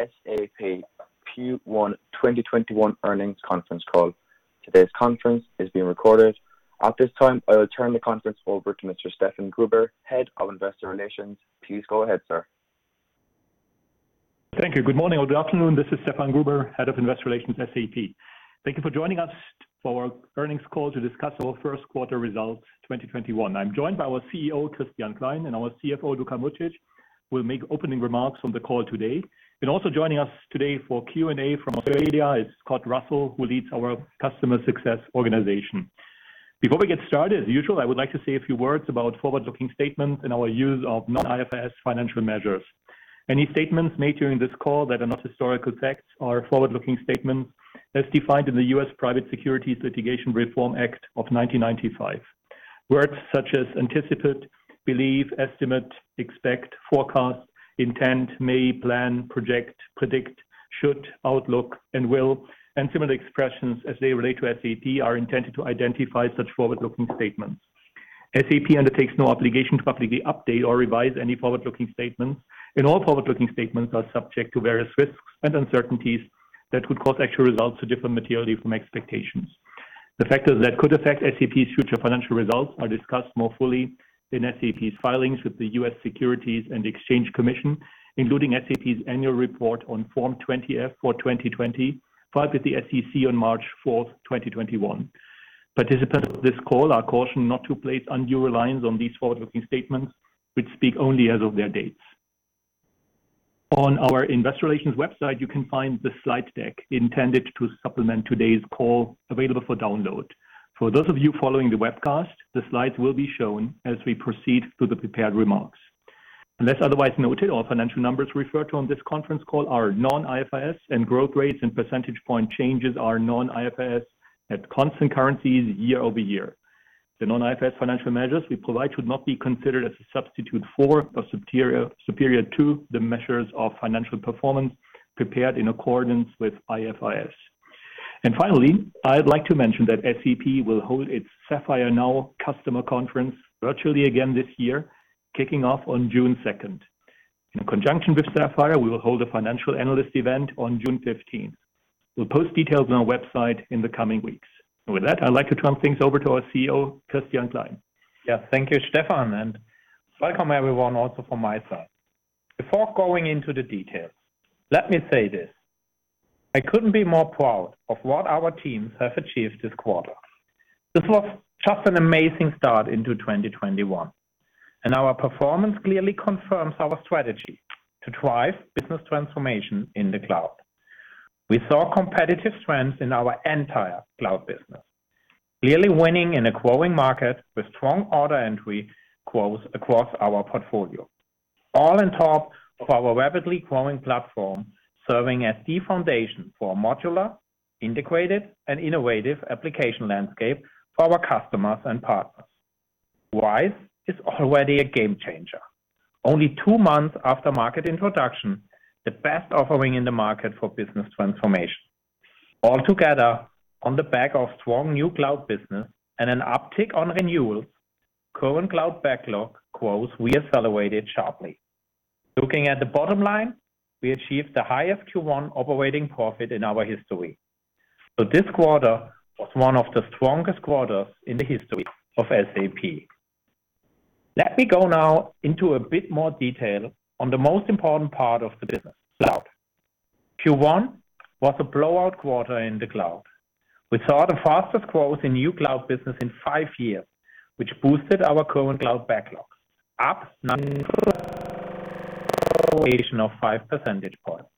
Welcome to the SAP Q1 2021 earnings conference call. Today's conference is being recorded. At this time, I will turn the conference over to Mr. Stefan Gruber, Head of Investor Relations. Please go ahead, sir. Thank you. Good morning or good afternoon. This is Stefan Gruber, head of investor relations, SAP. Thank you for joining us for our earnings call to discuss our first quarter results 2021. I'm joined by our CEO, Christian Klein, and our CFO, Luka Mucic, will make opening remarks on the call today. Also joining us today for Q&A from Australia is Scott Russell, who leads our customer success organization. Before we get started, as usual, I would like to say a few words about forward-looking statements and our use of non-IFRS financial measures. Any statements made during this call that are not historical facts are forward-looking statements as defined in the US Private Securities Litigation Reform Act of 1995. Words such as anticipate, believe, estimate, expect, forecast, intend, may, plan, project, predict, should, outlook, and will, and similar expressions as they relate to SAP are intended to identify such forward-looking statements. SAP undertakes no obligation to publicly update or revise any forward-looking statements, and all forward-looking statements are subject to various risks and uncertainties that could cause actual results to differ materially from expectations. The factors that could affect SAP's future financial results are discussed more fully in SAP's filings with the US Securities and Exchange Commission, including SAP's annual report on Form 20-F for 2020, filed with the SEC on March fourth, 2021. Participants of this call are cautioned not to place undue reliance on these forward-looking statements, which speak only as of their dates. On our investor relations website, you can find the slide deck intended to supplement today's call available for download. For those of you following the webcast, the slides will be shown as we proceed through the prepared remarks. Unless otherwise noted, all financial numbers referred to on this conference call are non-IFRS, and growth rates and percentage point changes are non-IFRS at constant currencies year-over-year. The non-IFRS financial measures we provide should not be considered as a substitute for or superior to the measures of financial performance prepared in accordance with IFRS. Finally, I'd like to mention that SAP will hold its Sapphire Now customer conference virtually again this year, kicking off on June 2nd. In conjunction with Sapphire, we will hold a financial analyst event on June 15th. We'll post details on our website in the coming weeks. With that, I'd like to turn things over to our CEO, Christian Klein. Yeah. Thank you, Stefan, and welcome, everyone, also from my side. Before going into the details, let me say this. I couldn't be more proud of what our teams have achieved this quarter. This was just an amazing start into 2021. Our performance clearly confirms our strategy to drive business transformation in the cloud. We saw competitive strengths in our entire cloud business, clearly winning in a growing market with strong order entry growth across our portfolio. All on top of our rapidly growing platform, serving as the foundation for a modular, integrated, and innovative application landscape for our customers and partners. RISE is already a game changer. Only two months after market introduction, the best offering in the market for business transformation. Altogether, on the back of strong new cloud business and an uptick on renewals, current cloud backlog growth re-accelerated sharply. Looking at the bottom line, we achieved the highest Q1 operating profit in our history. This quarter was one of the strongest quarters in the history of SAP. Let me go now into a bit more detail on the most important part of the business, cloud. Q1 was a blowout quarter in the cloud. We saw the fastest growth in new cloud business in five years, which boosted our current cloud backlog, up of 5 percentage points.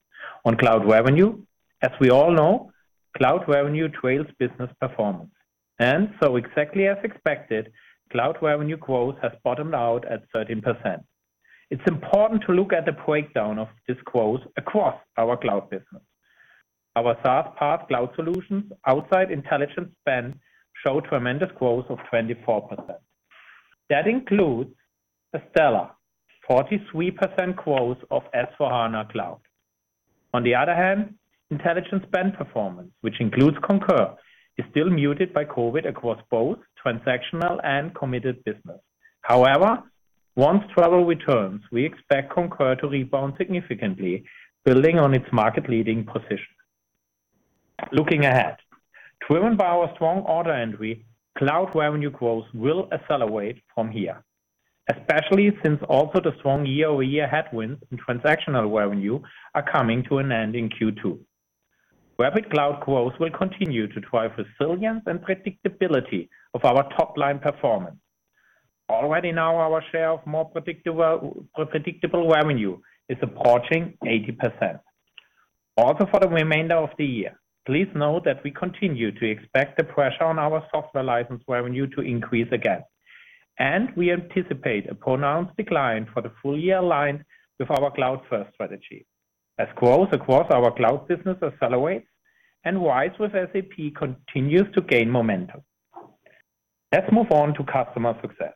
On cloud revenue, as we all know, cloud revenue trails business performance. Exactly as expected, cloud revenue growth has bottomed out at 13%. It's important to look at the breakdown of this growth across our cloud business. Our SaaS/PaaS cloud solutions outside Intelligent Spend showed tremendous growth of 24%. That includes a stellar 43% growth of S/4HANA Cloud. On the other hand, Intelligent Spend performance, which includes Concur, is still muted by COVID across both transactional and committed business. However, once travel returns, we expect Concur to rebound significantly, building on its market leading position. Looking ahead, driven by our strong order entry, cloud revenue growth will accelerate from here. Especially since also the strong year-over-year headwinds in transactional revenue are coming to an end in Q2. Rapid cloud growth will continue to drive resilience and predictability of our top-line performance. Already now our share of more predictable revenue is approaching 80%. For the remainder of the year, please note that we continue to expect the pressure on our software license revenue to increase again. We anticipate a pronounced decline for the full-year aligned with our cloud-first strategy. As growth across our cloud business accelerates and RISE with SAP continues to gain momentum. Let's move on to customer success,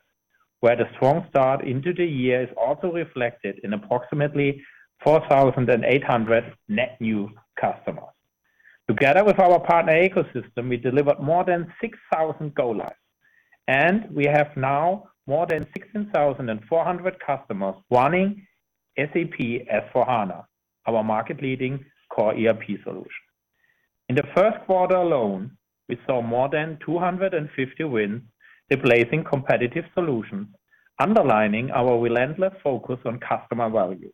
where the strong start into the year is also reflected in approximately 4,800 net new customers. Together with our partner ecosystem, we delivered more than 6,000 go lives, and we have now more than 16,400 customers running SAP S/4HANA, our market leading core ERP solution. In the first quarter alone, we saw more than 250 wins replacing competitive solutions, underlining our relentless focus on customer value.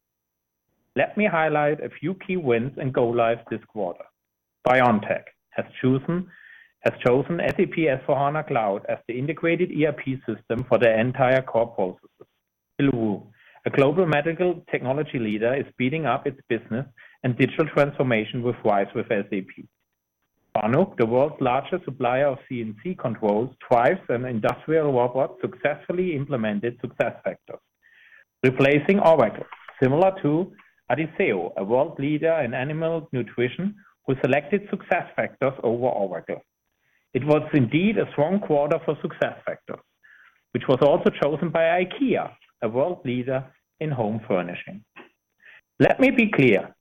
Let me highlight a few key wins and go lives this quarter. BioNTech has chosen SAP S/4HANA Cloud as the integrated ERP system for their entire core processes. Hillrom, a global medical technology leader, is speeding up its business and digital transformation with RISE with SAP. FANUC, the world's largest supplier of CNC controls, drives, and industrial robots, successfully implemented SuccessFactors, replacing Oracle. Similar to Adisseo, a world leader in animal nutrition, who selected SuccessFactors over Oracle. It was indeed a strong quarter for SuccessFactors, which was also chosen by IKEA, a world leader in home furnishing. Let me be clear.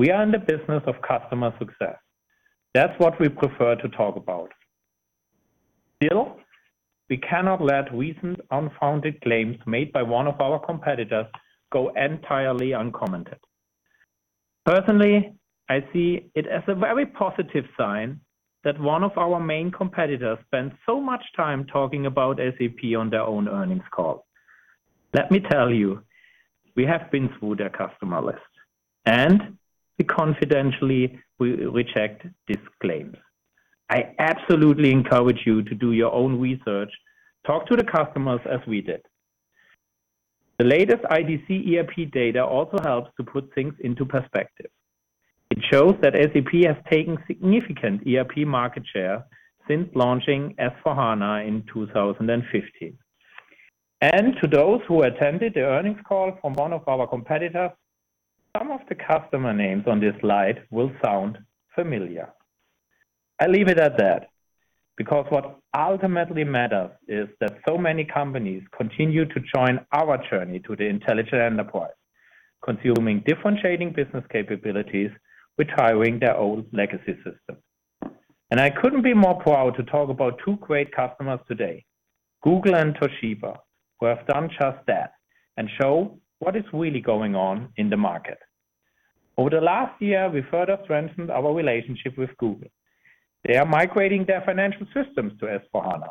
We are in the business of customer success. That's what we prefer to talk about. Still, we cannot let recent unfounded claims made by one of our competitors go entirely uncommented. Personally, I see it as a very positive sign that one of our main competitors spent so much time talking about SAP on their own earnings call. Let me tell you, we have been through their customer list, and we confidentially reject these claims. I absolutely encourage you to do your own research, talk to the customers as we did. The latest IDC ERP data also helps to put things in perspective. It shows that SAP has taken significant ERP market share since launching S/4HANA in 2015. To those who attended the earnings call from one of our competitors, some of the customer names on this slide will sound familiar. I leave it at that, because what ultimately matters is that so many companies continue to join our journey to the intelligent enterprise, consuming differentiating business capabilities, retiring their old legacy systems. I couldn't be more proud to talk about two great customers today, Google and Toshiba, who have done just that and show what is really going on in the market. Over the last year, we further strengthened our relationship with Google. They are migrating their financial systems to S/4HANA.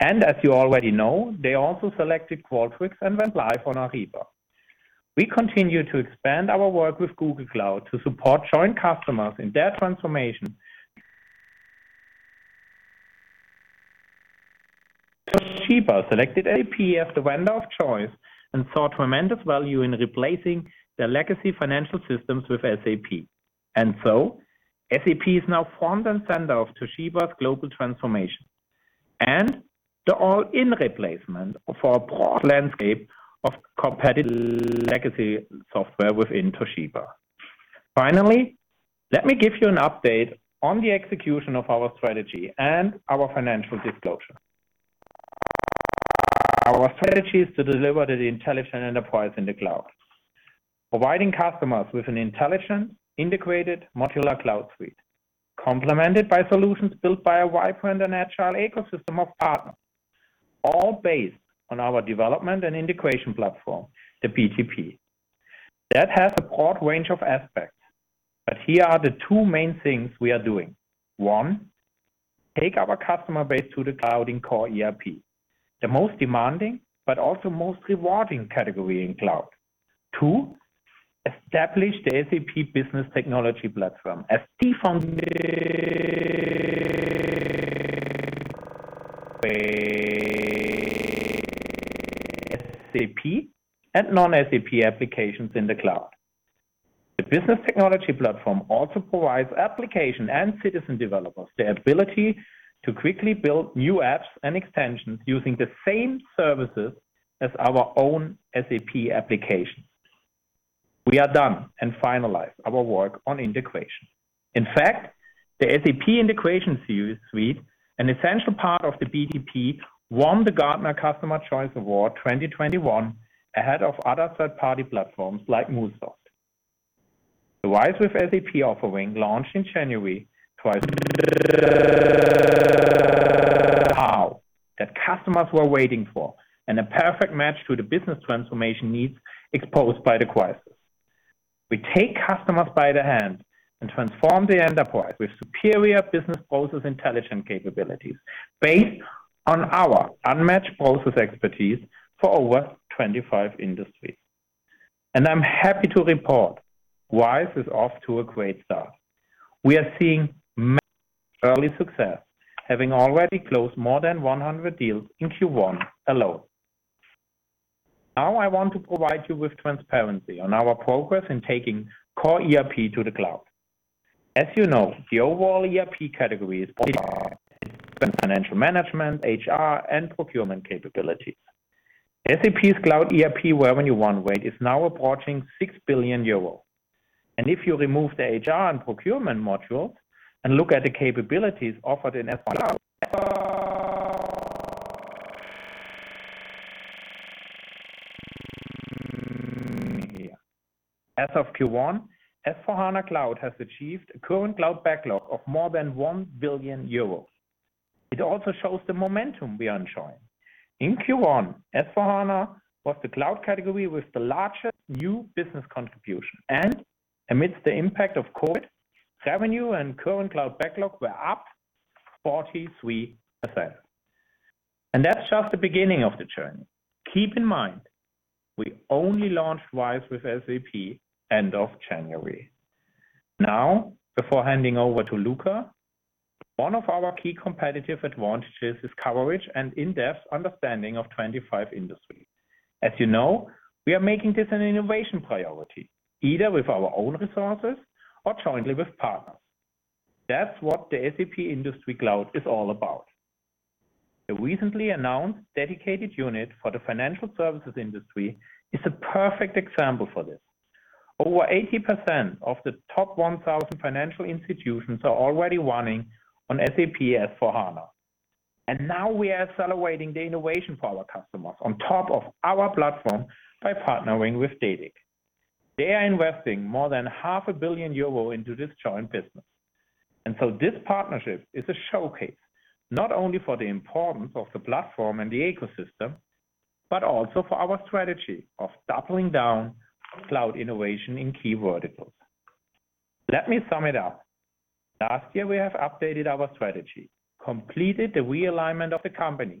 As you already know, they also selected Qualtrics and went live on Ariba. We continue to expand our work with Google Cloud to support joint customers in their transformation. Toshiba selected SAP as the vendor of choice and saw tremendous value in replacing their legacy financial systems with SAP. SAP is now front and center of Toshiba's global transformation and the all-in replacement for a broad landscape of competitive legacy software within Toshiba. Finally, let me give you an update on the execution of our strategy and our financial disclosure. Our strategy is to deliver the intelligent enterprise in the cloud, providing customers with an intelligent, integrated modular cloud suite, complemented by solutions built by a wide vendor-neutral ecosystem of partners, all based on our development and integration platform, the BTP. That has a broad range of aspects, but here are the two main things we are doing. One, take our customer base to the cloud in core ERP, the most demanding but also most rewarding category in cloud. Two, establish the SAP Business Technology Platform as the foundational SAP and non-SAP applications in the cloud. The Business Technology Platform also provides application and citizen developers the ability to quickly build new apps and extensions using the same services as our own SAP applications. We are done and finalized our work on integration. In fact, the SAP Integration Suite, an essential part of the BTP, won the Gartner Peer Insights Customers' Choice 2021 ahead of other third-party platforms like MuleSoft. The RISE with SAP offering launched in January that customers were waiting for and a perfect match to the business transformation needs exposed by the crisis. We take customers by the hand and transform the enterprise with superior business process intelligent capabilities based on our unmatched process expertise for over 25 industries. I'm happy to report RISE is off to a great start. We are seeing early success, having already closed more than 100 deals in Q1 alone. Now, I want to provide you with transparency on our progress in taking core ERP to the cloud. As you know, the overall ERP category is financial management, HR, and procurement capabilities. SAP's cloud ERP revenue run rate is now approaching 6 billion euro. If you remove the HR and procurement modules and look at the capabilities offered in S/4HANA as of Q1, S/4HANA Cloud has achieved a current cloud backlog of more than 1 billion euros. It also shows the momentum we are enjoying. In Q1, SAP S/4HANA was the cloud category with the largest new business contribution. Amidst the impact of COVID, revenue and current cloud backlog were up 43%. That's just the beginning of the journey. Keep in mind, we only launched RISE with SAP end of January. Now, before handing over to Luka, one of our key competitive advantages is coverage and in-depth understanding of 25 industries. As you know, we are making this an innovation priority, either with our own resources or jointly with partners. That's what the SAP Industry Cloud is all about. The recently announced dedicated unit for the financial services industry is a perfect example for this. Over 80% of the top 1,000 financial institutions are already running on SAP S/4HANA. Now we are accelerating the innovation for our customers on top of our platform by partnering with Dediq. They are investing more than 500 million euro into this joint business. This partnership is a showcase not only for the importance of the platform and the ecosystem, but also for our strategy of doubling down cloud innovation in key verticals. Let me sum it up. Last year, we have updated our strategy, completed the realignment of the company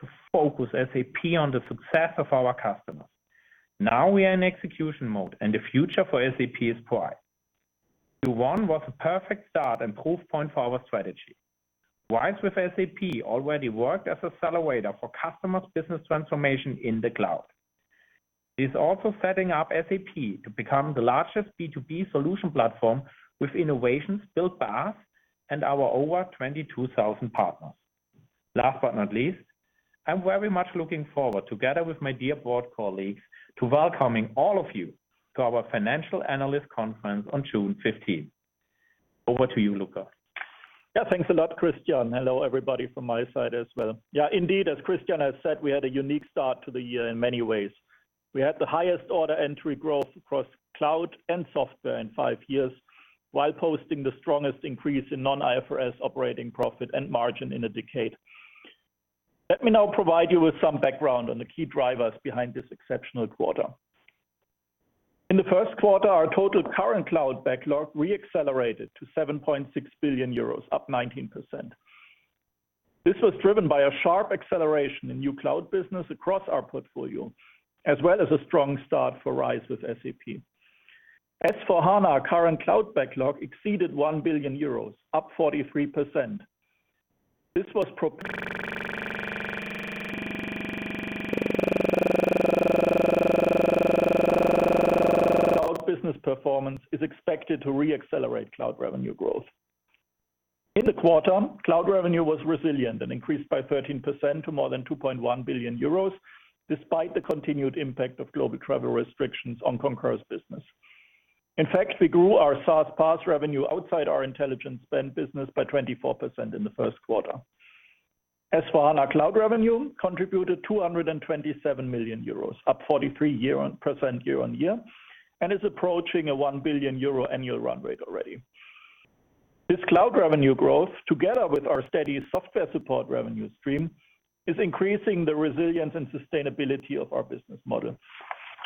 to focus SAP on the success of our customers. Now we are in execution mode, and the future for SAP is bright. Q1 was a perfect start and proof point for our strategy. RISE with SAP already worked as an accelerator for customers' business transformation in the cloud. It is also setting up SAP to become the largest B2B solution platform with innovations built by us and our over 22,000 partners. Last but not least, I'm very much looking forward, together with my dear board colleagues, to welcoming all of you to our financial analyst conference on June 15th. Over to you, Luka. Yeah, thanks a lot, Christian. Hello, everybody from my side as well. Indeed, as Christian has said, we had a unique start to the year in many ways. We had the highest order entry growth across cloud and software in five years while posting the strongest increase in non-IFRS operating profit and margin in a decade. Let me now provide you with some background on the key drivers behind this exceptional quarter. In the first quarter, our total current cloud backlog re-accelerated to 7.6 billion euros, up 19%. This was driven by a sharp acceleration in new cloud business across our portfolio, as well as a strong start for RISE with SAP. S/4HANA current cloud backlog exceeded 1 billion euros, up 43%. Cloud business performance is expected to re-accelerate cloud revenue growth. In the quarter, cloud revenue was resilient and increased by 13% to more than 2.1 billion euros, despite the continued impact of global travel restrictions on Concur's business. In fact, we grew our SaaS/PaaS revenue outside our Intelligent Spend business by 24% in the first quarter. S/4HANA Cloud revenue contributed 227 million euros, up 43% year-on-year, and is approaching a 1 billion euro annual run rate already. This cloud revenue growth, together with our steady software support revenue stream, is increasing the resilience and sustainability of our business model.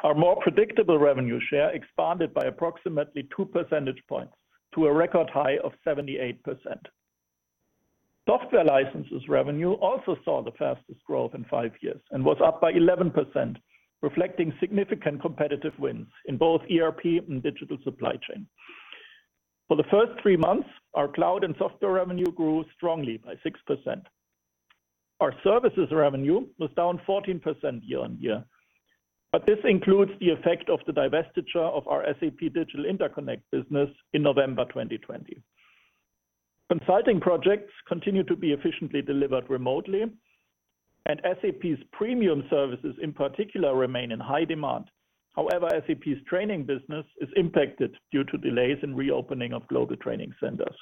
Our more predictable revenue share expanded by approximately two percentage points to a record high of 78%. Software licenses revenue also saw the fastest growth in five years and was up by 11%, reflecting significant competitive wins in both ERP and Digital Supply Chain. For the first three months, our cloud and software revenue grew strongly by 6%. Our services revenue was down 14% year-on-year. This includes the effect of the divestiture of our SAP Digital Interconnect business in November 2020. Consulting projects continue to be efficiently delivered remotely. SAP's premium services, in particular, remain in high demand. However, SAP's training business is impacted due to delays in reopening of global training centers.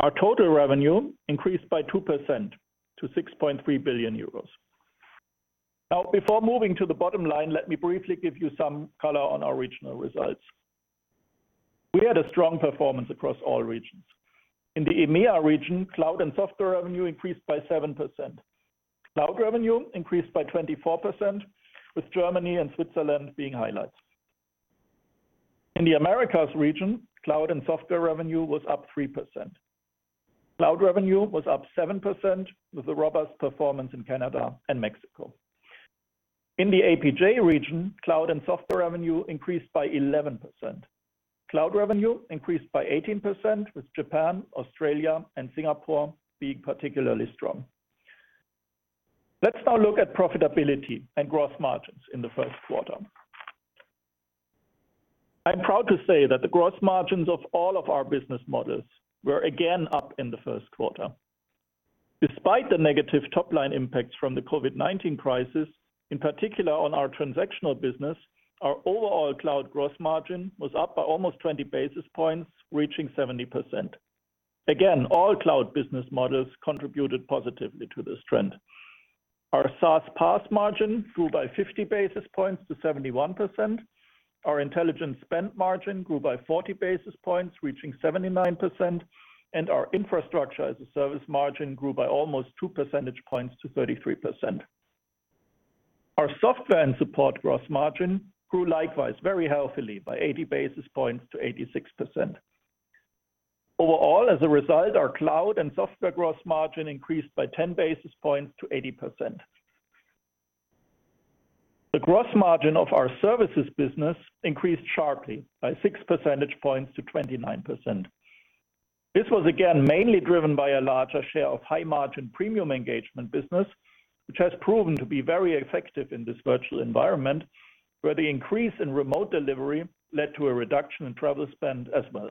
Our total revenue increased by 2% to 6.3 billion euros. Now, before moving to the bottom line, let me briefly give you some color on our regional results. We had a strong performance across all regions. In the EMEA region, cloud and software revenue increased by 7%. Cloud revenue increased by 24%, with Germany and Switzerland being highlights. In the Americas region, cloud and software revenue was up 3%. Cloud revenue was up 7%, with a robust performance in Canada and Mexico. In the APJ region, cloud and software revenue increased by 11%. Cloud revenue increased by 18%, with Japan, Australia, and Singapore being particularly strong. Let's now look at profitability and gross margins in the first quarter. I'm proud to say that the gross margins of all of our business models were again up in the first quarter. Despite the negative top-line impacts from the COVID-19 crisis, in particular on our transactional business, our overall cloud gross margin was up by almost 20 basis points, reaching 70%. Again, all cloud business models contributed positively to this trend. Our SaaS PaaS margin grew by 50 basis points to 71%. Our Intelligent Spend margin grew by 40 basis points, reaching 79%, and our infrastructure as a service margin grew by almost two percentage points to 33%. Our software and support gross margin grew likewise very healthily, by 80 basis points to 86%. Overall, as a result, our cloud and software gross margin increased by 10 basis points to 80%. The gross margin of our services business increased sharply by 6 percentage points to 29%. This was again mainly driven by a larger share of high margin premium engagement business, which has proven to be very effective in this virtual environment, where the increase in remote delivery led to a reduction in travel spend as well.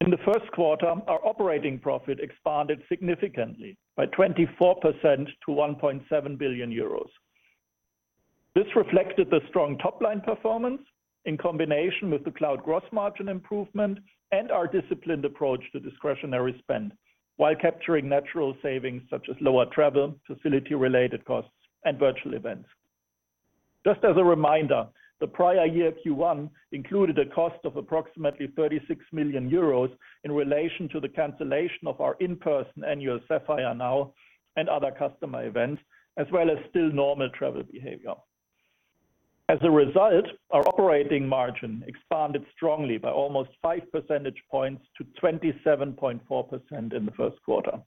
In the first quarter, our operating profit expanded significantly by 24% to 1.7 billion euros. This reflected the strong top-line performance in combination with the cloud gross margin improvement and our disciplined approach to discretionary spend while capturing natural savings such as lower travel, facility related costs, and virtual events. Just as a reminder, the prior year Q1 included a cost of approximately 36 million euros in relation to the cancellation of our in-person annual Sapphire Now and other customer events, as well as still normal travel behavior. As a result, our operating margin expanded strongly by almost five percentage points to 27.4% in the first quarter.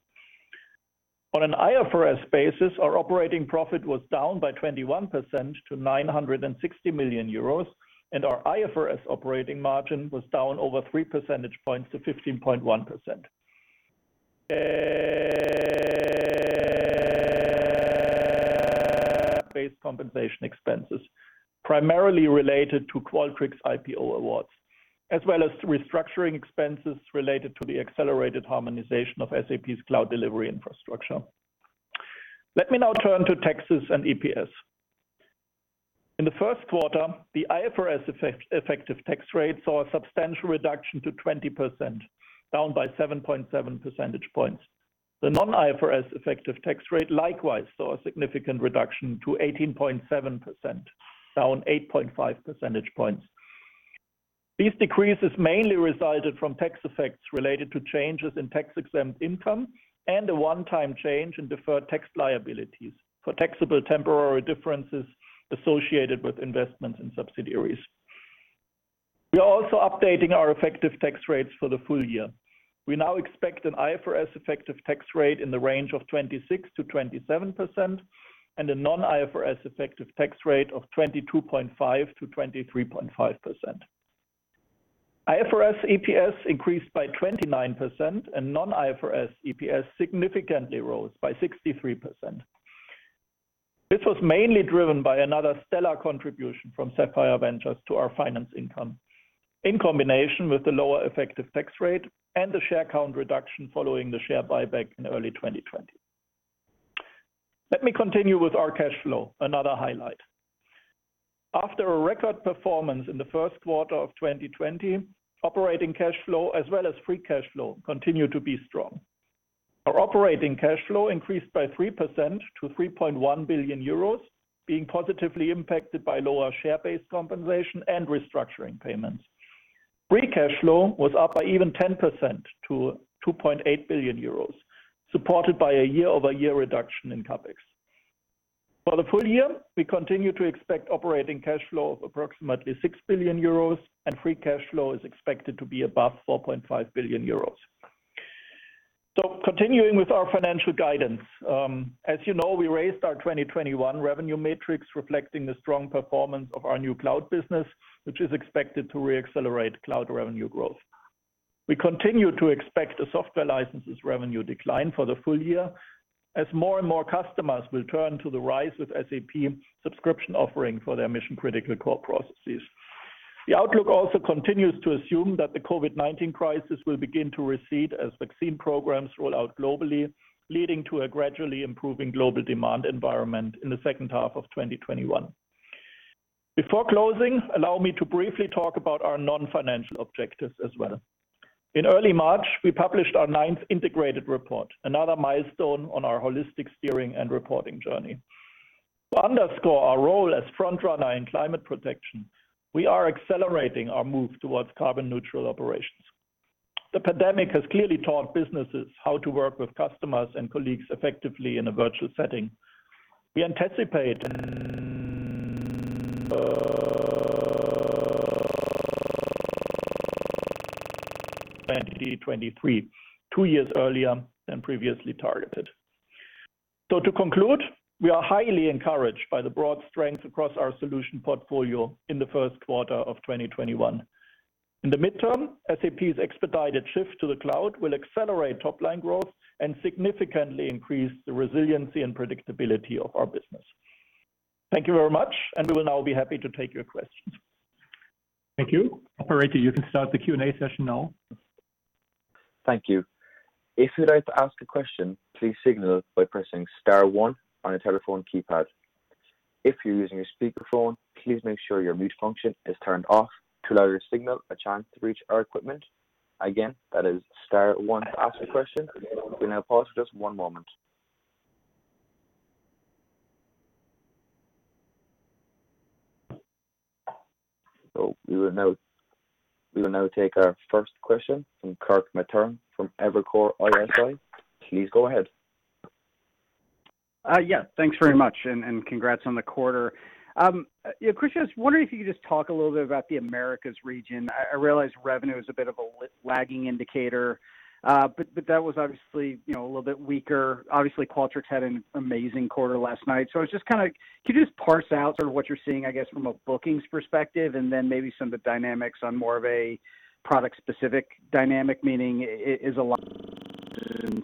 On an IFRS basis, our operating profit was down by 21% to 960 million euros, and our IFRS operating margin was down over three percentage points to 15.1%. Based compensation expenses, primarily related to Qualtrics IPO awards, as well as restructuring expenses related to the accelerated harmonization of SAP's cloud delivery infrastructure. Let me now turn to taxes and EPS. In the first quarter, the IFRS effective tax rate saw a substantial reduction to 20%, down by 7.7 percentage points. The non-IFRS effective tax rate likewise saw a significant reduction to 18.7%, down 8.5 percentage points. These decreases mainly resulted from tax effects related to changes in tax-exempt income and a one-time change in deferred tax liabilities for taxable temporary differences associated with investments in subsidiaries. We are also updating our effective tax rates for the full-year. We now expect an IFRS effective tax rate in the range of 26%-27% and a non-IFRS effective tax rate of 22.5%-23.5%. IFRS EPS increased by 29%. Non-IFRS EPS significantly rose by 63%. This was mainly driven by another stellar contribution from Sapphire Ventures to our finance income, in combination with the lower effective tax rate and the share count reduction following the share buyback in early 2020. Let me continue with our cash flow, another highlight. After a record performance in the first quarter of 2020, operating cash flow as well as free cash flow continued to be strong. Our operating cash flow increased by 3% to 3.1 billion euros, being positively impacted by lower share base compensation and restructuring payments. Free cash flow was up by even 10% to 2.8 billion euros, supported by a year-over-year reduction in CapEx. For the full-year, we continue to expect operating cash flow of approximately 6 billion euros, and free cash flow is expected to be above 4.5 billion euros. Continuing with our financial guidance. As you know, we raised our 2021 revenue metrics reflecting the strong performance of our new cloud business, which is expected to re-accelerate cloud revenue growth. We continue to expect a software licenses revenue decline for the full-year as more and more customers will turn to the RISE with SAP subscription offering for their mission-critical core processes. The outlook also continues to assume that the COVID-19 crisis will begin to recede as vaccine programs roll out globally, leading to a gradually improving global demand environment in the second half of 2021. Before closing, allow me to briefly talk about our non-financial objectives as well. In early March, we published our ninth integrated report, another milestone on our holistic steering and reporting journey. To underscore our role as front runner in climate protection, we are accelerating our move towards carbon neutral operations. The pandemic has clearly taught businesses how to work with customers and colleagues effectively in a virtual setting. We anticipate 2023, two years earlier than previously targeted. To conclude, we are highly encouraged by the broad strength across our solution portfolio in the first quarter of 2021. In the midterm, SAP's expedited shift to the cloud will accelerate top line growth and significantly increase the resiliency and predictability of our business. Thank you very much, and we will now be happy to take your questions. Thank you. Operator, you can start the Q&A session now. Thank you. If you'd like to ask a question, please signal by pressing star one on your telephone keypad. If you're using a speakerphone, please make sure your mute function is turned off to allow your signal a chance to reach our equipment. Again, that is star one to ask a question. We will now pause just one moment. We will now take our first question from Kirk Materne from Evercore ISI. Please go ahead. Thanks very much. Congrats on the quarter. Christian, I was wondering if you could just talk a little bit about the Americas region. I realize revenue is a bit of a lagging indicator. That was obviously a little bit weaker. Obviously, Qualtrics had an amazing quarter last night. Can you just parse out sort of what you're seeing, I guess, from a bookings perspective, and then maybe some of the dynamics on more of a product-specific dynamic? Meaning, is a lot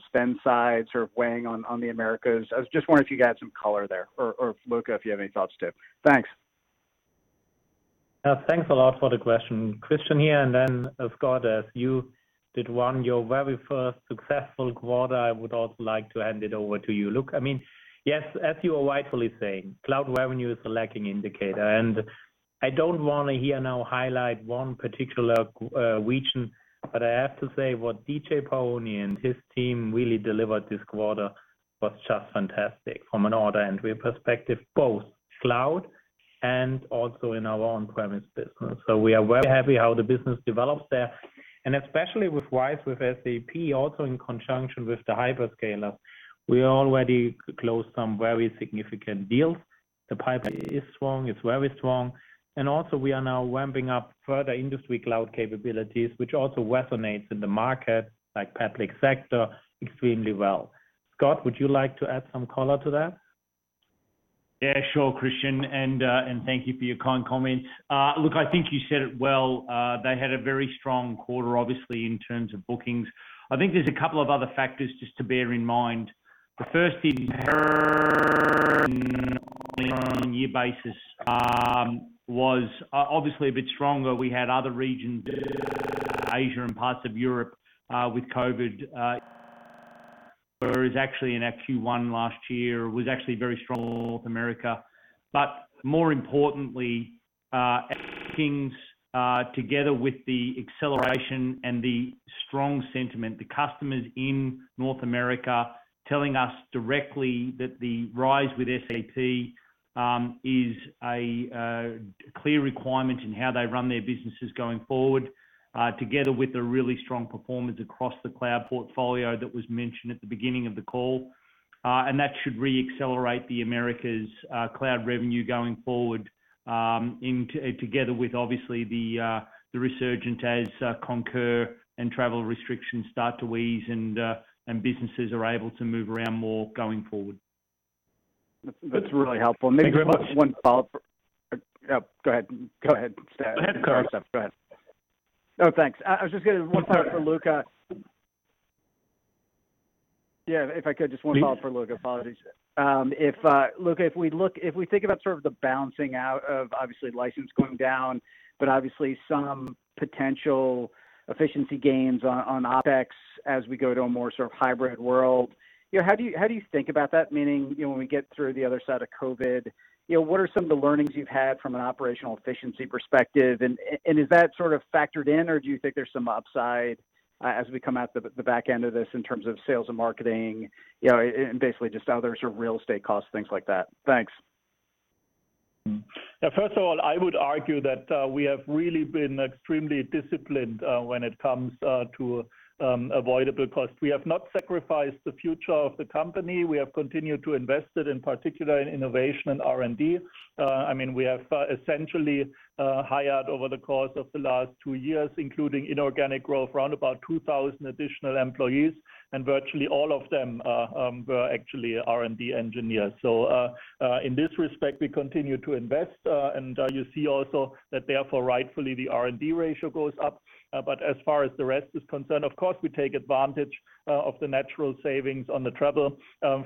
spend side sort of weighing on the Americas? I was just wondering if you could add some color there. Luka, if you have any thoughts too. Thanks. Thanks a lot for the question. Christian here, and then Scott, as you did on your very first successful quarter, I would also like to hand it over to you. Luka, yes, as you are rightfully saying, cloud revenue is a lagging indicator. I don't want to here now highlight one particular region, but I have to say, what DJ Paoni and his team really delivered this quarter was just fantastic from an order and view perspective, both cloud and also in our on-premise business. We are very happy how the business develops there. Especially with RISE with SAP, also in conjunction with the hyperscalers, we already closed some very significant deals. The pipeline is strong. It's very strong. Also we are now ramping up further Industry Cloud capabilities, which also resonates in the market like public sector extremely well. Scott, would you like to add some color to that? Yeah, sure, Christian. Thank you for your kind comments. Luka, I think you said it well. They had a very strong quarter, obviously, in terms of bookings. I think there's a couple of other factors just to bear in mind. The first is on a year basis was obviously a bit stronger. We had other regions, Asia and parts of Europe, with COVID, whereas actually in our Q1 last year was actually very strong in North America. More importantly, our bookings together with the acceleration and the strong sentiment, the customers in North America telling us directly that the RISE with SAP is a clear requirement in how they run their businesses going forward together with a really strong performance across the cloud portfolio that was mentioned at the beginning of the call. That should re-accelerate the Americas cloud revenue going forward together with obviously the resurgent as Concur and travel restrictions start to ease and businesses are able to move around more going forward. That's really helpful. Thank you very much. Maybe just one follow-up. Go ahead, Scott. Go ahead, Kirk. Oh, thanks. I was just going to one follow-up for Luka. Yeah, if I could, just one follow-up for Luka. Apologies. Luka, if we think about sort of the balancing out of obviously license going down, but obviously some potential efficiency gains on OpEx as we go to a more sort of hybrid world, how do you think about that? Meaning, when we get through the other side of COVID, what are some of the learnings you've had from an operational efficiency perspective? Is that sort of factored in, or do you think there's some upside as we come out the back end of this in terms of sales and marketing, and basically just other sort of real estate costs, things like that? Thanks. First of all, I would argue that we have really been extremely disciplined when it comes to avoidable cost. We have not sacrificed the future of the company. We have continued to invest it, in particular in innovation and R&D. We have essentially hired over the course of the last two years, including inorganic growth, around about 2,000 additional employees, and virtually all of them were actually R&D engineers. In this respect, we continue to invest. You see also that therefore rightfully the R&D ratio goes up. As far as the rest is concerned, of course, we take advantage of the natural savings on the travel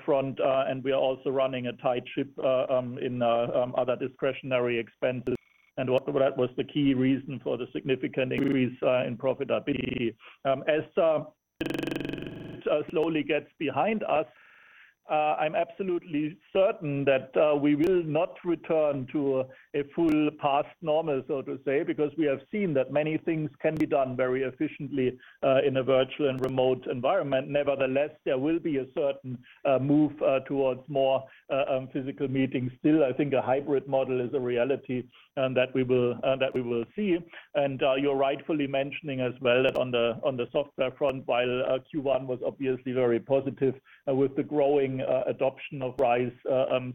front. We are also running a tight ship in other discretionary expenses. That was the key reason for the significant increase in profitability. As slowly gets behind us, I'm absolutely certain that we will not return to a full past normal, so to say, because we have seen that many things can be done very efficiently in a virtual and remote environment. Nevertheless, there will be a certain move towards more physical meetings still. I think a hybrid model is a reality that we will see. You're rightfully mentioning as well that on the software front, while Q1 was obviously very positive with the growing adoption of RISE,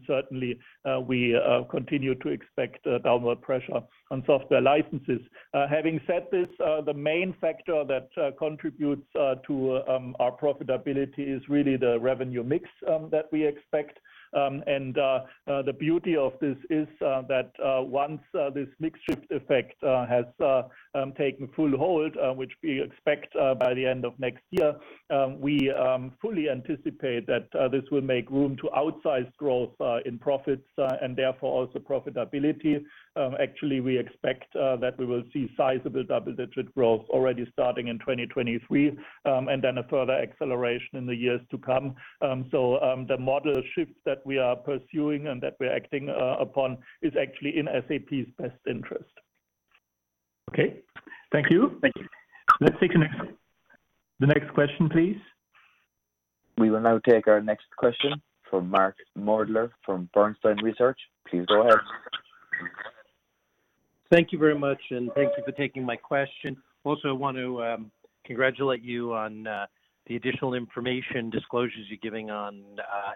certainly we continue to expect downward pressure on software licenses. Having said this, the main factor that contributes to our profitability is really the revenue mix that we expect. The beauty of this is that once this mix shift effect has taken full hold, which we expect by the end of next year, we fully anticipate that this will make room to outsize growth in profits, and therefore also profitability. We expect that we will see sizable double-digit growth already starting in 2023, and then a further acceleration in the years to come. The model shift that we are pursuing and that we're acting upon is actually in SAP's best interest. Okay. Thank you. Thank you. Let's take the next question, please. We will now take our next question from Mark Moerdler from Bernstein Research. Please go ahead. Thank you very much. Thank you for taking my question. Want to congratulate you on the additional information disclosures you're giving on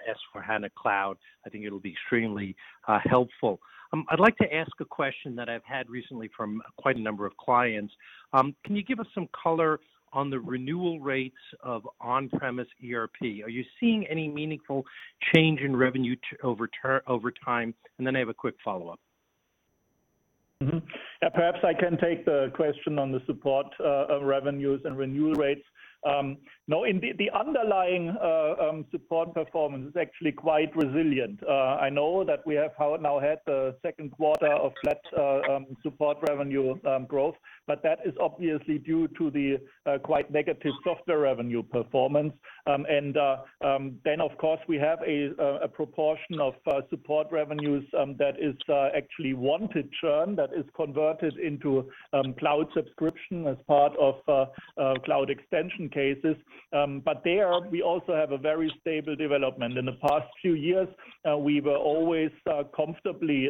S/4HANA Cloud. I think it'll be extremely helpful. I'd like to ask a question that I've had recently from quite a number of clients. Can you give us some color on the renewal rates of on-premise ERP? Are you seeing any meaningful change in revenue over time? I have a quick follow-up. Perhaps I can take the question on the support of revenues and renewal rates. No, the underlying support performance is actually quite resilient. I know that we have now had the second quarter of flat support revenue growth, that is obviously due to the quite negative software revenue performance. Then, of course, we have a proportion of support revenues that is actually wanted churn, that is converted into cloud subscription as part of cloud extension cases. There, we also have a very stable development. In the past few years, we were always comfortably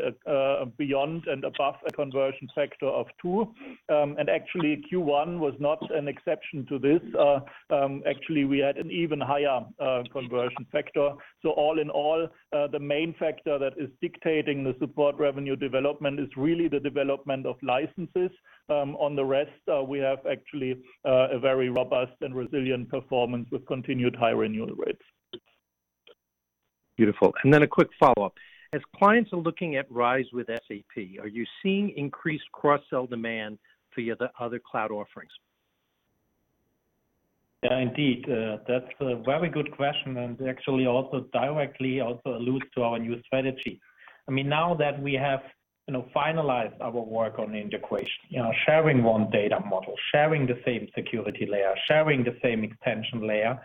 beyond and above a conversion factor of two. Actually, Q1 was not an exception to this. Actually, we had an even higher conversion factor. All in all, the main factor that is dictating the support revenue development is really the development of licenses. On the rest, we have actually a very robust and resilient performance with continued high renewal rates. Beautiful. Then a quick follow-up. As clients are looking at RISE with SAP, are you seeing increased cross-sell demand for your other cloud offerings? Yeah, indeed. That's a very good question, and actually also directly alludes to our new strategy. Now that we have finalized our work on integration, sharing one data model, sharing the same security layer, sharing the same extension layer.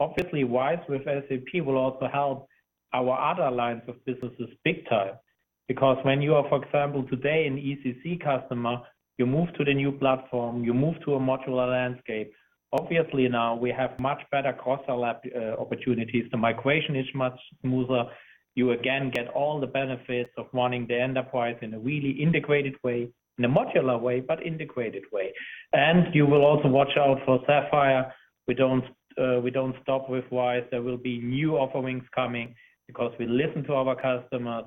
Obviously, RISE with SAP will also help our other lines of businesses big time. Because when you are, for example, today an SAP ECC customer, you move to the new platform, you move to a modular landscape. Obviously, now we have much better cross-sell opportunities. The migration is much smoother. You again get all the benefits of running the enterprise in a really integrated way, in a modular way, but integrated way. You will also watch out for SAP Sapphire. We don't stop with RISE. There will be new offerings coming because we listen to our customers.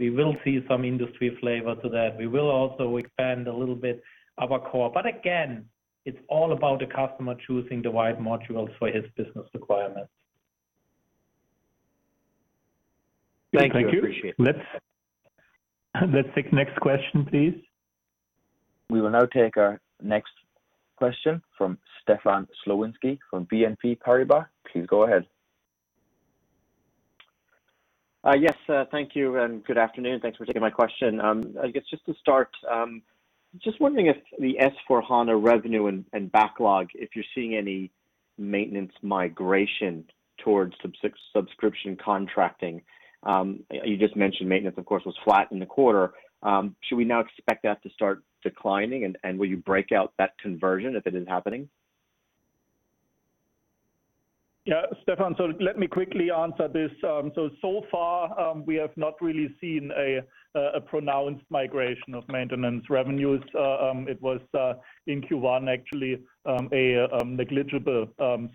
We will see some industry flavor to that. We will also expand a little bit our core. Again, it's all about the customer choosing the right modules for his business requirements. Thank you. Appreciate it. Thank you. Let's take next question, please. We will now take our next question from Stefan Slowinski from BNP Paribas. Please go ahead. Yes. Thank you and good afternoon. Thanks for taking my question. I guess just to start, just wondering if the SAP S/4HANA revenue and backlog, if you're seeing any maintenance migration towards subscription contracting. You just mentioned maintenance, of course, was flat in the quarter. Should we now expect that to start declining, and will you break out that conversion if it is happening? Yeah, Stefan, let me quickly answer this. So far, we have not really seen a pronounced migration of maintenance revenues. It was in Q1, actually, a negligible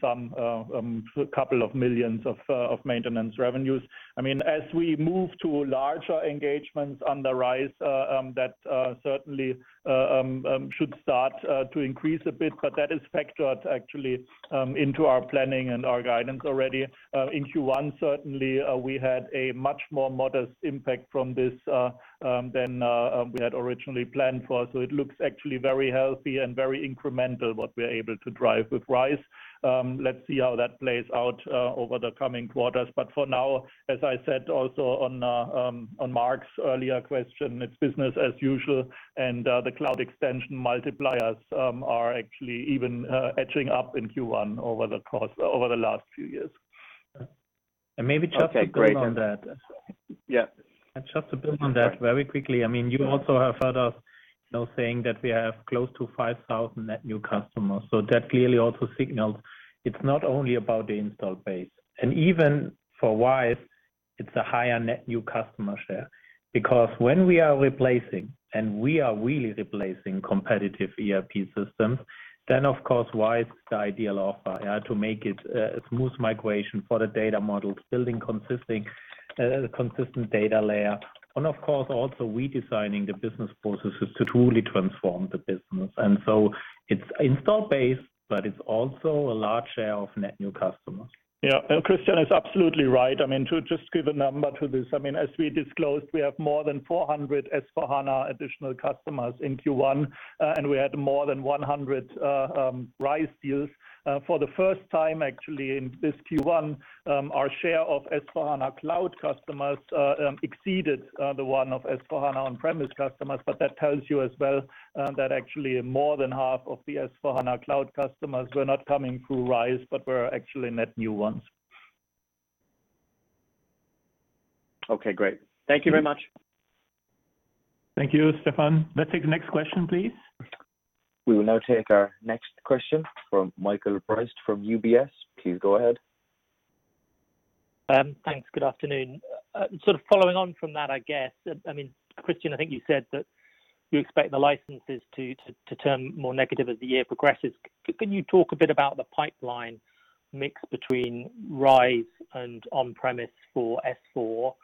sum, a couple of million of maintenance revenues. As we move to larger engagements on the RISE, that certainly should start to increase a bit, but that is factored, actually, into our planning and our guidance already. In Q1, certainly, we had a much more modest impact from this than we had originally planned for. It looks actually very healthy and very incremental, what we're able to drive with RISE. Let's see how that plays out over the coming quarters. For now, as I said also on Mark's earlier question, it's business as usual, and the cloud extension multipliers are actually even etching up in Q1 over the last few years. Maybe just to build on that. Okay, great. Yeah. Just to build on that very quickly. You also have heard us now saying that we have close to 5,000 net new customers. That clearly also signals it's not only about the install base, and even for RISE, it's a higher net new customer share. Because when we are replacing, and we are really replacing competitive ERP systems, then of course, RISE is the ideal offer. I had to make it a smooth migration for the data models, building a consistent data layer, and of course, also redesigning the business processes to truly transform the business. It's install base, but it's also a large share of net new customers. Yeah. Christian is absolutely right. To just give a number to this, as we disclosed, we have more than 400 S/4HANA additional customers in Q1, and we had more than 100 RISE deals. For the first time, actually, in this Q1, our share of S/4HANA Cloud customers exceeded the one of S/4HANA on-premise customers. That tells you as well that actually more than half of the S/4HANA Cloud customers were not coming through RISE but were actually net new ones. Okay, great. Thank you very much. Thank you, Stefan. Let's take the next question, please. We will now take our next question from Michael Briest from UBS. Please go ahead. Thanks. Good afternoon. Following on from that, I guess. Christian, I think you said that you expect the licenses to turn more negative as the year progresses. Can you talk a bit about the pipeline mix between RISE and on-premise for S/4?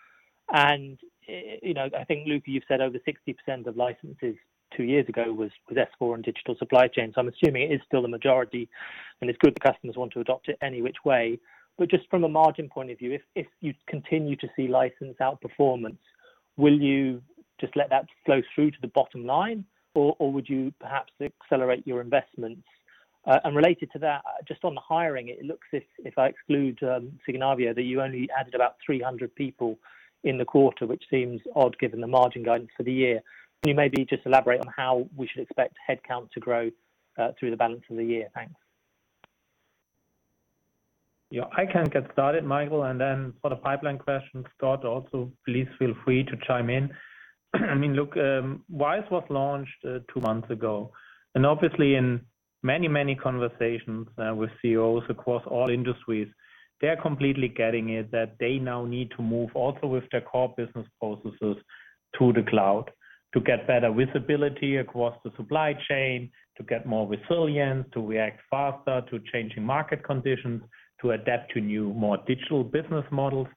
I think, Luka, you've said over 60% of licenses two years ago was S/4 and Digital Supply Chain, so I'm assuming it is still the majority, and it's good that customers want to adopt it any which way. Just from a margin point of view, if you continue to see license outperformance, will you just let that flow through to the bottom line, or would you perhaps accelerate your investments? Related to that, just on the hiring, it looks as if I exclude Signavio, that you only added about 300 people in the quarter, which seems odd given the margin guidance for the year. Can you maybe just elaborate on how we should expect headcount to grow through the balance of the year? Thanks. I can get started, Michael, and then for the pipeline question, Scott also, please feel free to chime in. RISE was launched two months ago. Obviously in many conversations with CEOs across all industries, they're completely getting it, that they now need to move also with their core business processes to the cloud to get better visibility across the supply chain, to get more resilience, to react faster to changing market conditions, to adapt to new, more digital business models,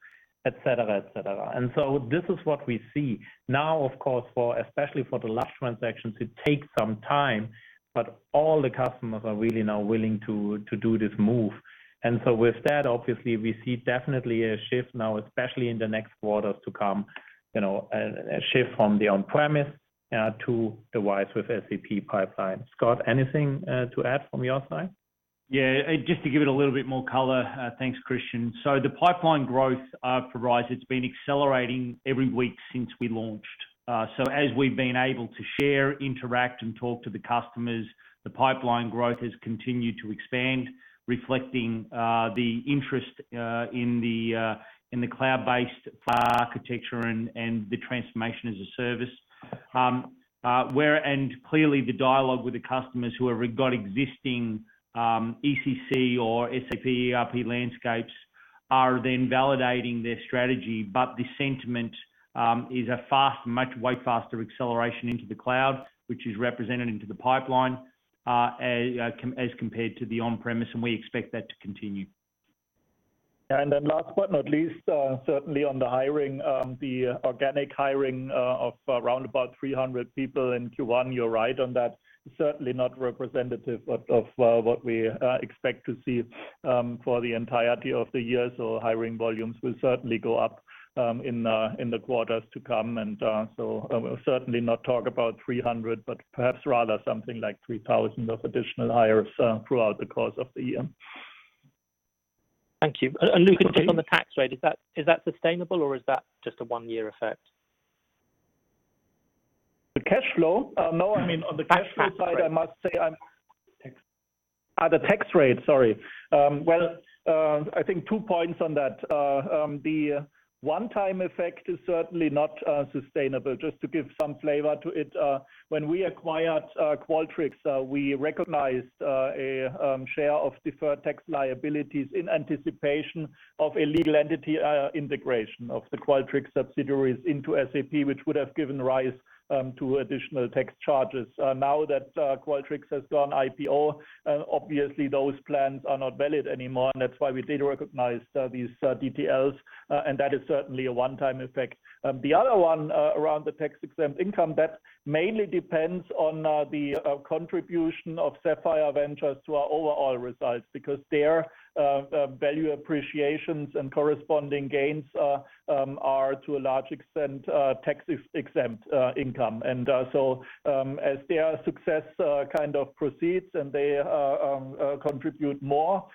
et cetera. This is what we see. Now, of course, especially for the large transactions, it takes some time. All the customers are really now willing to do this move. With that, obviously, we see definitely a shift now, especially in the next quarters to come, a shift from the on-premise to the RISE with SAP pipeline. Scott, anything to add from your side? Yeah. Just to give it a little bit more color. Thanks, Christian. The pipeline growth for RISE, it's been accelerating every week since we launched. As we've been able to share, interact, and talk to the customers, the pipeline growth has continued to expand, reflecting the interest in the cloud-based architecture and the transformation as a service. Clearly the dialogue with the customers who have got existing ECC or SAP ERP landscapes are then validating their strategy. The sentiment is a much way faster acceleration into the cloud, which is represented into the pipeline as compared to the on-premise, and we expect that to continue. Last but not least, certainly on the hiring, the organic hiring of around about 300 people in Q1, you're right on that. Certainly not representative of what we expect to see for the entirety of the year. Hiring volumes will certainly go up in the quarters to come, I will certainly not talk about 300, but perhaps rather something like 3,000 of additional hires throughout the course of the year. Thank you. Luka. Okay Just on the tax rate, is that sustainable, or is that just a one-year effect? The cash flow? No, I mean on the cash flow side. The tax rate. I must say I'm Tax. The tax rate. Sorry. I think two points on that. The one-time effect is certainly not sustainable. Just to give some flavor to it, when we acquired Qualtrics, we recognized a share of deferred tax liabilities in anticipation of a legal entity integration of the Qualtrics subsidiaries into SAP, which would have given rise to additional tax charges. Now that Qualtrics has gone IPO, obviously those plans are not valid anymore, and that's why we did recognize these DTLs, and that is certainly a one-time effect. The other one around the tax-exempt income, that mainly depends on the contribution of Sapphire Ventures to our overall results because their value appreciations and corresponding gains are to a large extent tax-exempt income. As their success proceeds and they contribute more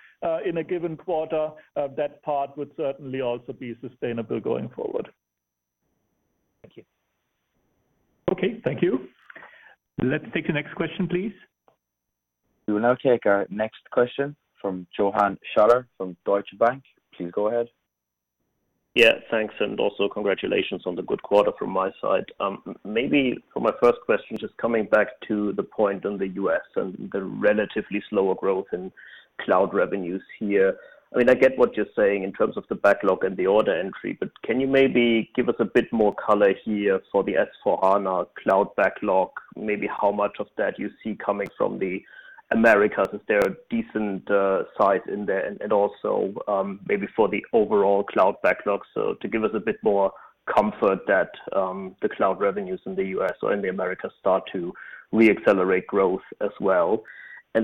in a given quarter, that part would certainly also be sustainable going forward. Thank you. Okay. Thank you. Let's take the next question, please. We will now take our next question from Johannes Schaller from Deutsche Bank. Please go ahead. Thanks, also congratulations on the good quarter from my side. For my first question, just coming back to the point on the U.S. and the relatively slower growth in cloud revenues here. I get what you're saying in terms of the backlog and the order entry, can you maybe give us a bit more color here for the S/4HANA Cloud backlog? How much of that you see coming from the Americas, is there a decent size in there? Also, for the overall cloud backlog, to give us a bit more comfort that the cloud revenues in the U.S. or in the Americas start to re-accelerate growth as well.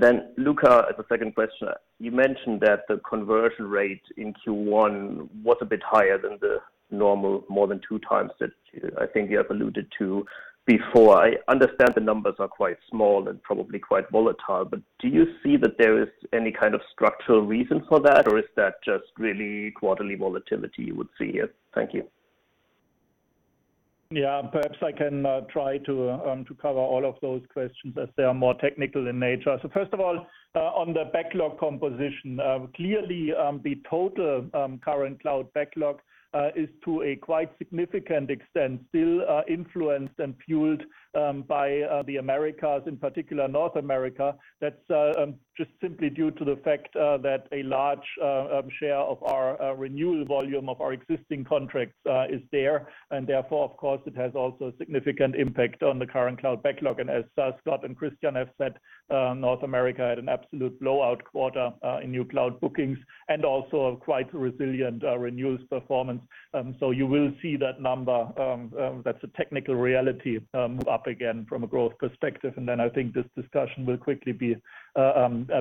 Then Luka, as a second question, you mentioned that the conversion rate in Q1 was a bit higher than the normal more than two times that I think you have alluded to before. I understand the numbers are quite small and probably quite volatile. Do you see that there is any kind of structural reason for that, or is that just really quarterly volatility you would see here? Thank you. Yeah. First of all, on the backlog composition, clearly the total current cloud backlog is to a quite significant extent still influenced and fueled by the Americas, in particular North America. That's just simply due to the fact that a large share of our renewal volume of our existing contracts is there. Therefore, of course, it has also a significant impact on the current cloud backlog. As Scott and Christian have said, North America had an absolute blowout quarter in new cloud bookings and also a quite resilient renewals performance. You will see that number, that's a technical reality, move up again from a growth perspective. I think this discussion will quickly be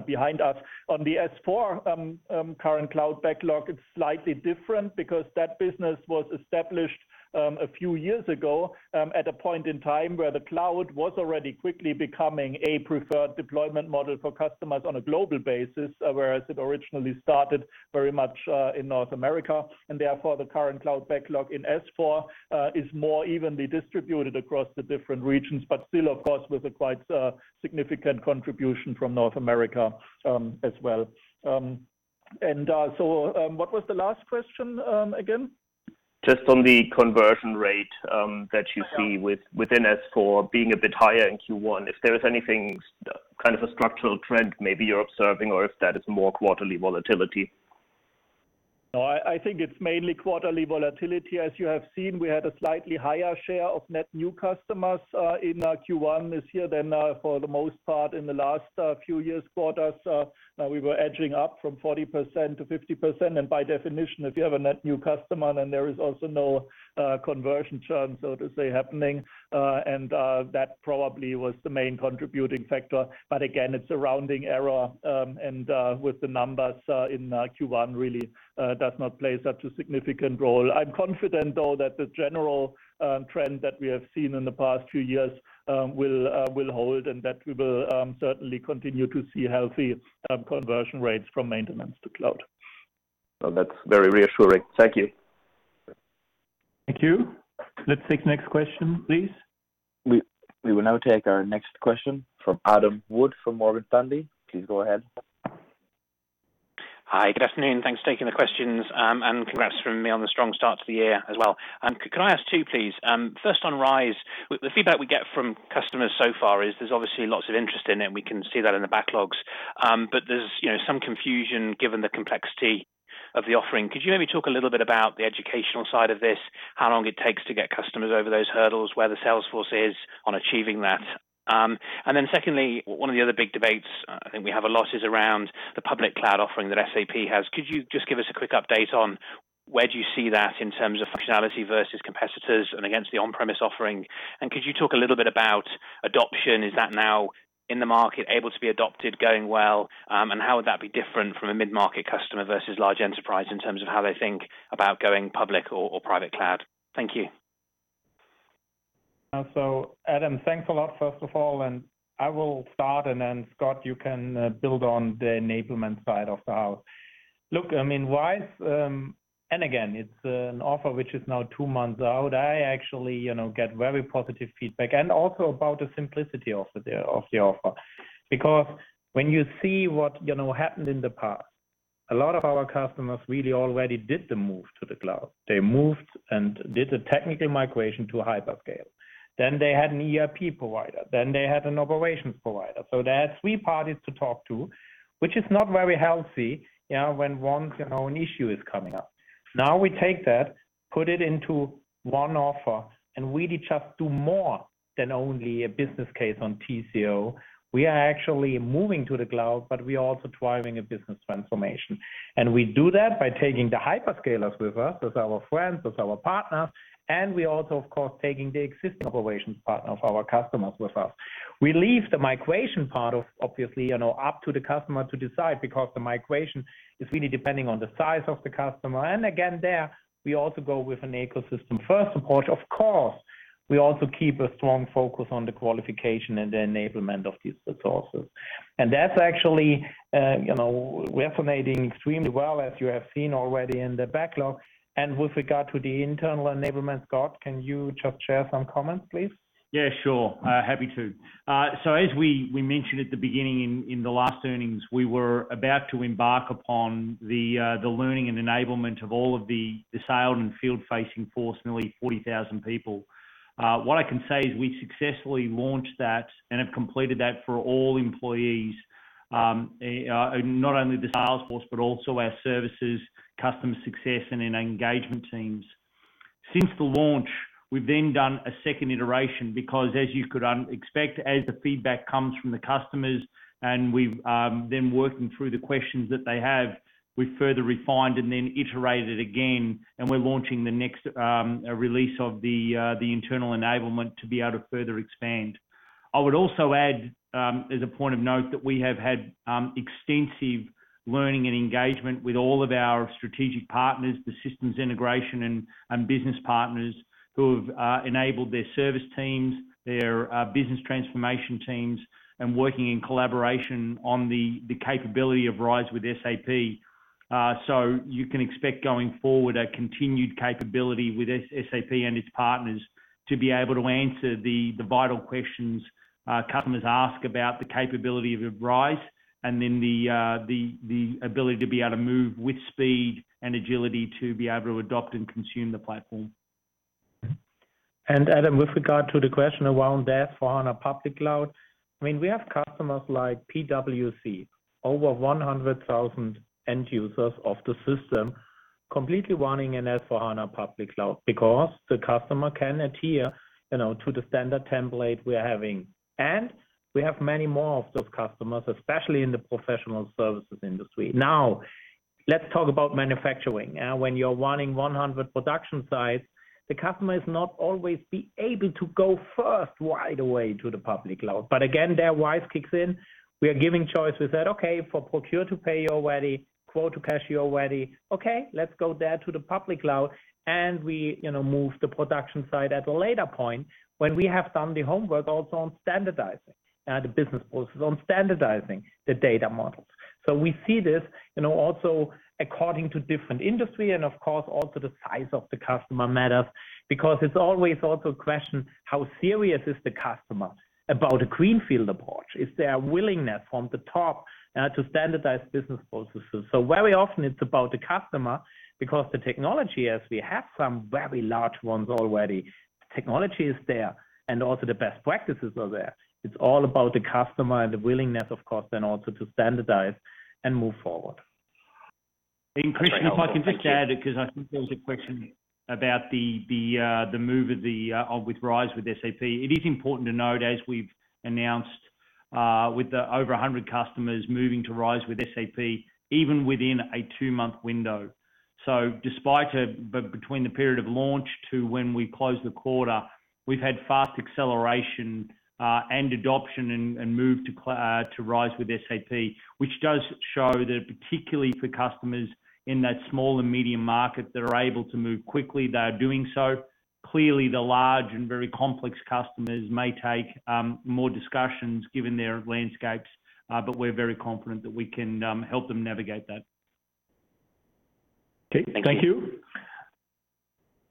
behind us. On the S/4 current cloud backlog, it's slightly different because that business was established a few years ago, at a point in time where the cloud was already quickly becoming a preferred deployment model for customers on a global basis. Whereas it originally started very much in North America, and therefore the current cloud backlog in S/4 is more evenly distributed across the different regions, but still, of course, with a quite significant contribution from North America as well. What was the last question again? Just on the conversion rate that you see within S/4 being a bit higher in Q1, if there is anything, kind of a structural trend maybe you're observing or if that is more quarterly volatility? No, I think it's mainly quarterly volatility. As you have seen, we had a slightly higher share of net new customers in our Q1 this year than for the most part in the last few years' quarters. We were edging up from 40% to 50%. By definition, if you have a net new customer, then there is also no conversion churn, so to say, happening. That probably was the main contributing factor. Again, it's a rounding error, and with the numbers in Q1, really does not play such a significant role. I'm confident, though, that the general trend that we have seen in the past few years will hold, and that we will certainly continue to see healthy conversion rates from maintenance to cloud. Well, that's very reassuring. Thank you. Thank you. Let's take next question, please. We will now take our next question from Adam Wood from Morgan Stanley. Please go ahead. Hi. Good afternoon. Thanks for taking the questions, and congrats from me on the strong start to the year as well. Could I ask two, please? First on RISE. The feedback we get from customers so far is there's obviously lots of interest in it, and we can see that in the backlogs. There's some confusion given the complexity of the offering. Could you maybe talk a little bit about the educational side of this, how long it takes to get customers over those hurdles, where the sales force is on achieving that? Secondly, one of the other big debates I think we have a lot is around the public cloud offering that SAP has. Could you just give us a quick update on where do you see that in terms of functionality versus competitors and against the on-premise offering? Could you talk a little bit about adoption? Is that now in the market able to be adopted, going well? How would that be different from a mid-market customer versus large enterprise in terms of how they think about going public or private cloud? Thank you. Adam, thanks a lot, first of all, and I will start, and then Scott, you can build on the enablement side of the house. Look, RISE, and again, it's an offer which is now two months out. I actually get very positive feedback and also about the simplicity of the offer. When you see what happened in the past, a lot of our customers really already did the move to the cloud. They moved and did a technical migration to a hyperscaler. They had an ERP provider, then they had an operations provider. They had three parties to talk to, which is not very healthy when one issue is coming up. We take that, put it into one offer, and really just do more than only a business case on TCO. We are actually moving to the cloud. We are also driving a business transformation. We do that by taking the hyperscalers with us as our friends, as our partners, and we also, of course, taking the existing operations partners of our customers with us. We leave the migration part, obviously, up to the customer to decide because the migration is really depending on the size of the customer. Again, there, we also go with an ecosystem-first approach. Of course, we also keep a strong focus on the qualification and the enablement of these resources. That's actually resonating extremely well, as you have seen already in the backlog. With regard to the internal enablement, Scott, can you just share some comments, please? Yeah, sure. Happy to. As we mentioned at the beginning in the last earnings, we were about to embark upon the learning and enablement of all of the sales and field-facing force, nearly 40,000 people. What I can say is we successfully launched that and have completed that for all employees. Not only the sales force but also our services, customer success, and engagement teams. Since the launch, we've then done a second iteration because as you could expect, as the feedback comes from the customers, and we've been working through the questions that they have, we've further refined and then iterated again, and we're launching the next release of the internal enablement to be able to further expand. I would also add, as a point of note, that we have had extensive learning and engagement with all of our strategic partners, the systems integration and business partners who have enabled their service teams, their business transformation teams, and working in collaboration on the capability of RISE with SAP. You can expect going forward a continued capability with SAP and its partners to be able to answer the vital questions customers ask about the capability of RISE, and then the ability to be able to move with speed and agility to be able to adopt and consume the platform. Adam, with regard to the question around S/4HANA public cloud, we have customers like PwC, over 100,000 end users of the system, completely running in S/4HANA Public Cloud because the customer can adhere to the standard template we are having. We have many more of those customers, especially in the professional services industry. Let's talk about manufacturing. When you're running 100 production sites, the customer is not always be able to go first right away to the public cloud. Again, there RISE kicks in. We are giving choice. We said, for procure-to-pay you're ready, quote to cash you're ready. Let's go there to the public cloud, and we move the production side at a later point when we have done the homework also on standardizing the business processes, on standardizing the data models. We see this also according to different industry and, of course, also the size of the customer matters because it's always also a question, how serious is the customer about a greenfield approach? Is there a willingness from the top to standardize business processes? Very often it's about the customer because the technology is, we have some very large ones already. Technology is there, and also the best practices are there. It's all about the customer and the willingness, of course, then also to standardize and move forward. Christian, if I can just add, because I think there was a question about the move of with RISE with SAP. It is important to note, as we've announced, with the over 100 customers moving to RISE with SAP, even within a two-month window. Despite between the period of launch to when we closed the quarter, we've had fast acceleration, and adoption, and move to RISE with SAP. Which does show that particularly for customers in that small and medium market that are able to move quickly, they are doing so. Clearly, the large and very complex customers may take more discussions given their landscapes. We're very confident that we can help them navigate that. Okay, thank you. Thank you.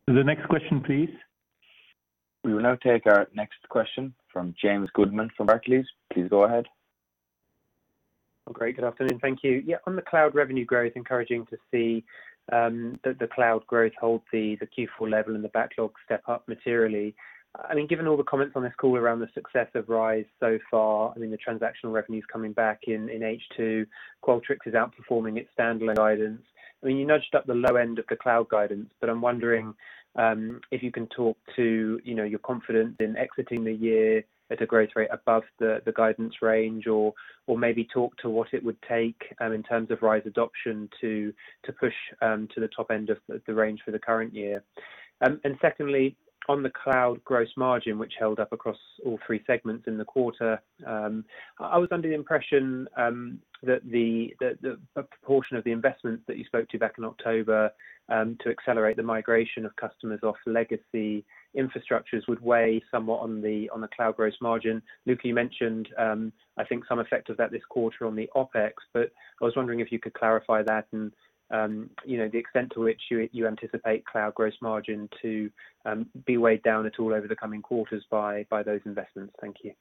The next question, please. We will now take our next question from James Goodman from Barclays. Please go ahead. Great. Good afternoon. Thank you. Yeah. On the cloud revenue growth, encouraging to see that the cloud growth hold the Q4 level and the backlog step up materially. Given all the comments on this call around the success of RISE so far, the transactional revenues coming back in H2, Qualtrics is outperforming its standalone guidance. You nudged up the low end of the cloud guidance, but I'm wondering if you can talk to your confidence in exiting the year at a growth rate above the guidance range or maybe talk to what it would take in terms of RISE adoption to push to the top end of the range for the current year. Secondly, on the cloud gross margin, which held up across all three segments in the quarter, I was under the impression that a proportion of the investment that you spoke to back in October to accelerate the migration of customers off legacy infrastructures would weigh somewhat on the cloud gross margin. Luka, you mentioned, I think some effect of that this quarter on the OpEx, but I was wondering if you could clarify that and the extent to which you anticipate cloud gross margin to be weighed down at all over the coming quarters by those investments. Thank you.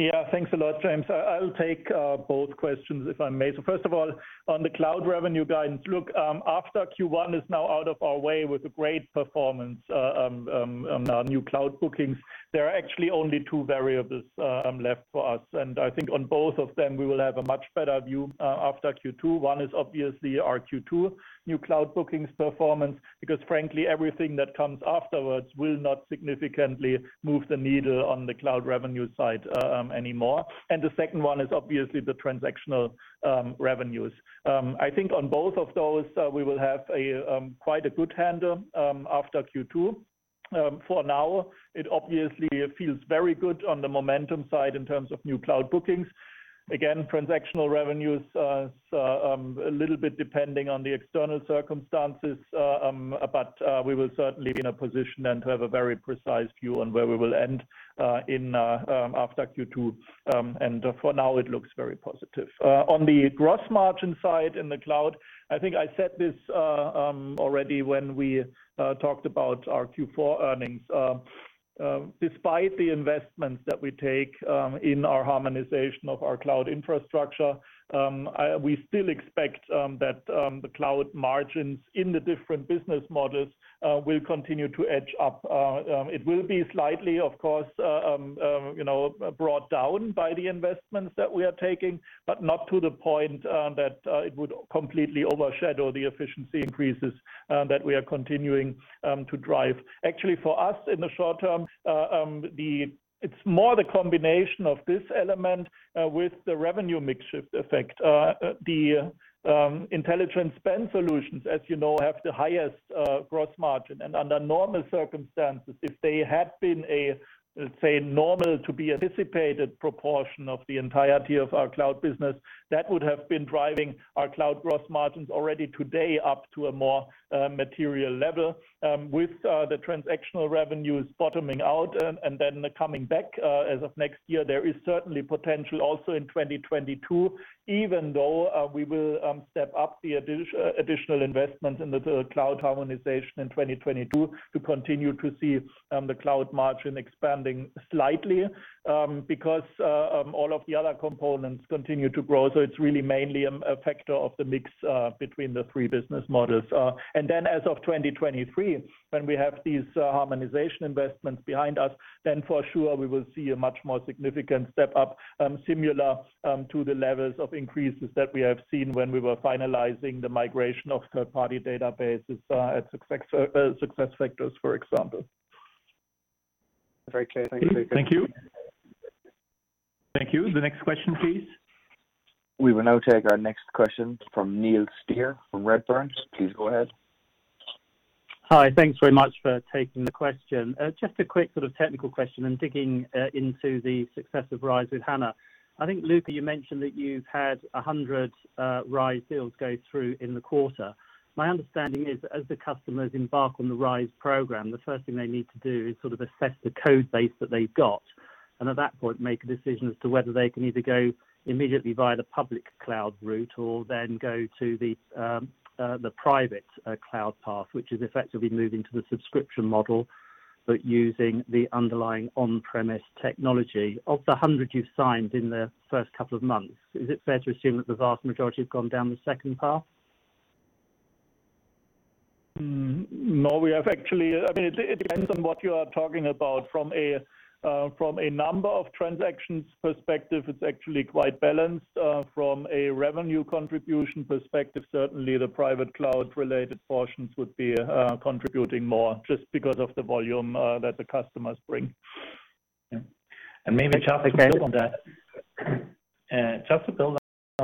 Yeah. Thanks a lot, James. I'll take both questions if I may. First of all, on the cloud revenue guidance. Look, after Q1 is now out of our way with a great performance on our new cloud bookings, there are actually only two variables left for us. I think on both of them, we will have a much better view after Q2. One is obviously our Q2 new cloud bookings performance, because frankly, everything that comes afterwards will not significantly move the needle on the cloud revenue side anymore. The second one is obviously the transactional revenues. I think on both of those, we will have quite a good handle after Q2. For now, it obviously feels very good on the momentum side in terms of new cloud bookings. Transactional revenues, a little bit depending on the external circumstances, but we will certainly be in a position then to have a very precise view on where we will end after Q2. For now, it looks very positive. On the gross margin side in the cloud, I think I said this already when we talked about our Q4 earnings. Despite the investments that we take in our harmonization of our cloud infrastructure, we still expect that the cloud margins in the different business models will continue to edge up. It will be slightly, of course, brought down by the investments that we are taking, but not to the point that it would completely overshadow the efficiency increases that we are continuing to drive. Actually, for us, in the short term, it's more the combination of this element with the revenue mix shift effect. The Intelligent Spend solutions, as you know, have the highest gross margin. Under normal circumstances, if they had been a, let's say, normal to be anticipated proportion of the entirety of our cloud business, that would have been driving our cloud gross margins already today up to a more material level. With the transactional revenues bottoming out and then coming back as of next year, there is certainly potential also in 2022, even though we will step up the additional investments in the cloud harmonization in 2022 to continue to see the cloud margin expanding slightly because all of the other components continue to grow. It's really mainly a factor of the mix between the three business models. As of 2023, when we have these harmonization investments behind us, then for sure, we will see a much more significant step up similar to the levels of increases that we have seen when we were finalizing the migration of third-party databases at SuccessFactors, for example. Very clear. Thank you. Thank you. Thank you. The next question, please. We will now take our next question from Neil Steer from Redburn. Please go ahead. Hi. Thanks very much for taking the question. Just a quick sort of technical question, digging into the success of RISE with SAP. I think, Luka, you mentioned that you've had 100 RISE deals go through in the quarter. My understanding is that as the customers embark on the RISE program, the first thing they need to do is sort of assess the code base that they've got, at that point, make a decision as to whether they can either go immediately via the public cloud route or then go to the private cloud path, which is effectively moving to the subscription model, but using the underlying on-premise technology. Of the 100 you've signed in the first couple of months, is it fair to assume that the vast majority have gone down the second path? No. It depends on what you are talking about. From a number of transactions perspective, it's actually quite balanced. From a revenue contribution perspective, certainly the private cloud related portions would be contributing more just because of the volume that the customers bring. Maybe just to build on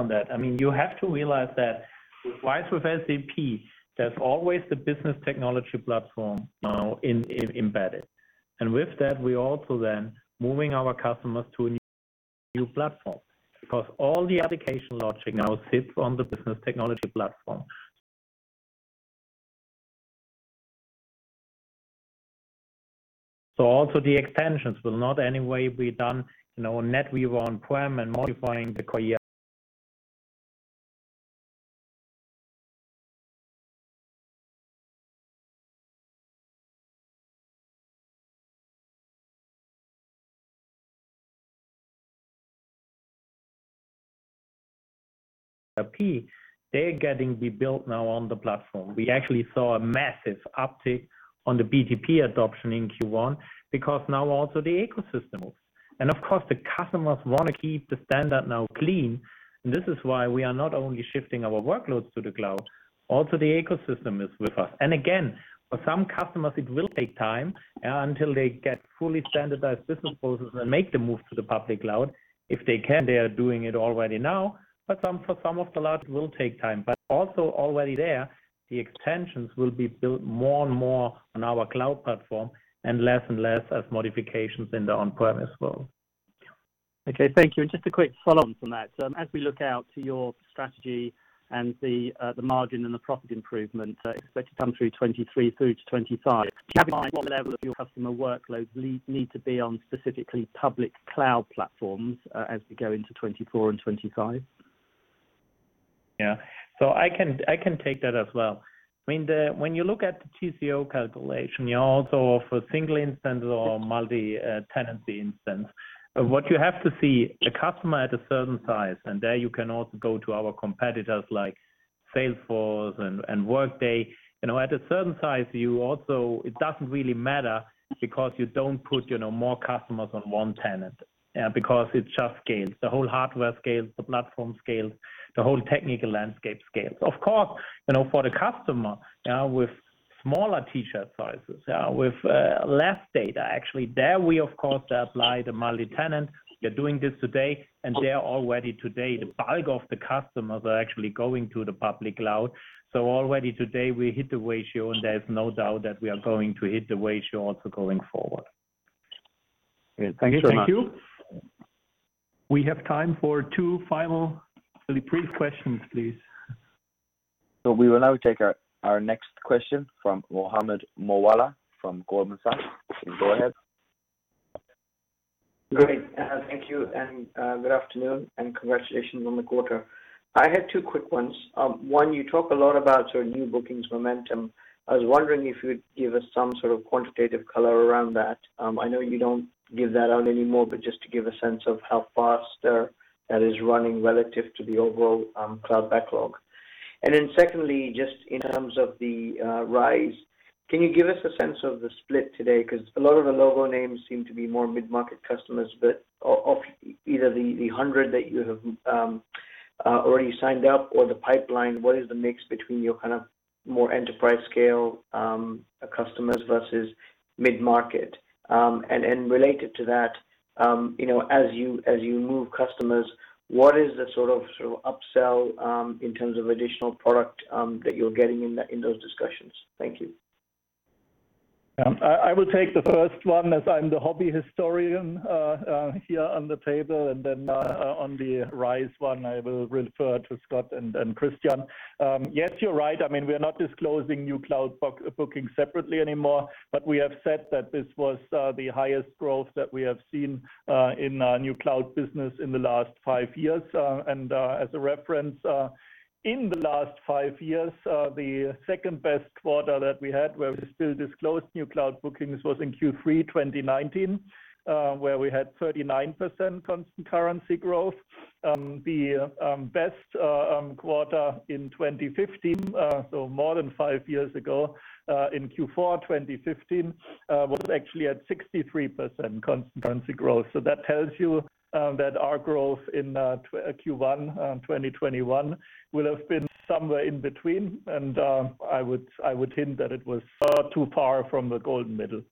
that. You have to realize that with RISE with SAP, there's always the SAP Business Technology Platform now embedded. With that, we also then moving our customers to a new platform because all the application logic now sits on the SAP Business Technology Platform. Also the extensions will not any way be done in our SAP NetWeaver on-prem and modifying the core SAP. They're getting rebuilt now on the platform. We actually saw a massive uptake on the BTP adoption in Q1 because now also the ecosystem moves. Of course, the customers want to keep the standard now clean, and this is why we are not only shifting our workloads to the cloud, also the ecosystem is with us. Again, for some customers, it will take time until they get fully standardized business processes and make the move to the public cloud. If they can, they are doing it already now, for some of the lot, it will take time. Also already there, the extensions will be built more and more on our cloud platform and less and less as modifications in the on-premise world. Okay. Thank you. Just a quick follow-on from that. As we look out to your strategy and the margin and the profit improvement expected to come through 2023 through to 2025, do you have in mind what level of your customer workloads need to be on specifically public cloud platforms as we go into 2024 and 2025? Yeah. I can take that as well. When you look at the TCO calculation, you also offer single instance or multi-tenancy instance. What you have to see, a customer at a certain size, and there you can also go to our competitors like Salesforce and Workday. At a certain size, it doesn't really matter because you don't put more customers on one tenant because it just scales. The whole hardware scales, the platform scales, the whole technical landscape scales. Of course, for the customer with smaller T-shirt sizes, with less data, actually, there we, of course, apply the multi-tenant. We are doing this today, and they are all ready today. The bulk of the customers are actually going to the public cloud. Already today, we hit the ratio, and there's no doubt that we are going to hit the ratio also going forward. Great. Thank you so much. Thank you. We have time for three questions, please. We will now take our next question from Mohammed Moawalla from Goldman Sachs. You can go ahead. Great. Thank you, and good afternoon, and congratulations on the quarter. I had two quick ones. One, you talk a lot about sort of new bookings momentum. I was wondering if you would give us some sort of quantitative color around that. I know you don't give that out anymore, but just to give a sense of how fast that is running relative to the overall cloud backlog. Secondly, just in terms of the RISE, can you give us a sense of the split today? A lot of the logo names seem to be more mid-market customers, but of either the 100 that you have already signed up or the pipeline, what is the mix between your kind of more enterprise scale customers versus mid-market? Related to that, as you move customers, what is the sort of upsell in terms of additional product that you are getting in those discussions? Thank you. I will take the first one as I'm the hobby historian here on the table, and then on the RISE one, I will refer to Scott and Christian. Yes, you're right. We're not disclosing new cloud bookings separately anymore, but we have said that this was the highest growth that we have seen in our new cloud business in the last five years. As a reference, in the last five years, the second-best quarter that we had, where we still disclosed new cloud bookings, was in Q3 2019, where we had 39% constant currency growth. The best quarter in 2015, so more than five years ago, in Q4 2015, was actually at 63% constant currency growth. That tells you that our growth in Q1 2021 will have been somewhere in between. I would hint that it was not too far from the golden middle.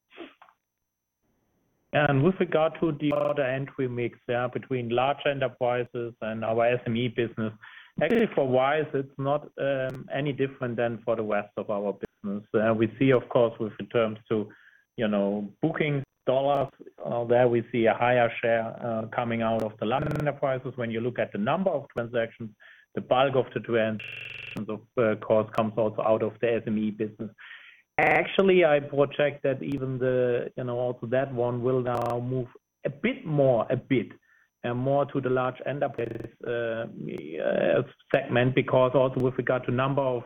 With regard to the order entry mix between large enterprises and our SME business. Actually, for RISE, it's not any different than for the rest of our business. We see, of course, with returns to booking dollars, there we see a higher share coming out of the large enterprises. When you look at the number of transactions, the bulk of the transactions, of course, comes also out of the SME business. Actually, I project that even also that one will now move a bit more to the large enterprises segment, because also with regard to number of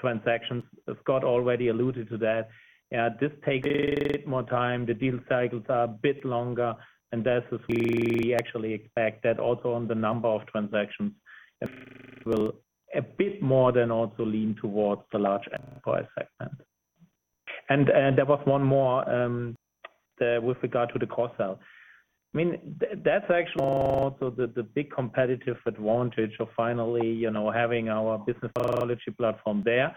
transactions, as Scott already alluded to that, this takes more time. The deal cycles are a bit longer, and that's as we actually expect that also on the number of transactions will a bit more than also lean towards the large enterprise segment. There was one more with regard to the cross sell. That's actually also the big competitive advantage of finally having our Business Technology Platform there.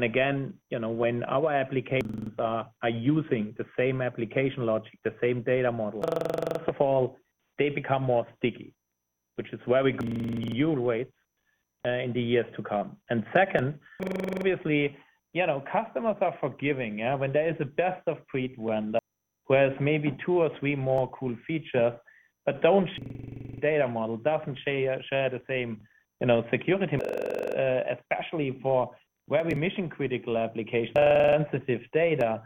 Again, when our applications are using the same application logic, the same data model, first of all, they become more sticky, which is where we in the years to come. Second, obviously, customers are forgiving. When there is a best of breed vendor who has maybe two or three more cool features, but don't share same data model, doesn't share the same security, especially for very mission-critical applications, sensitive data,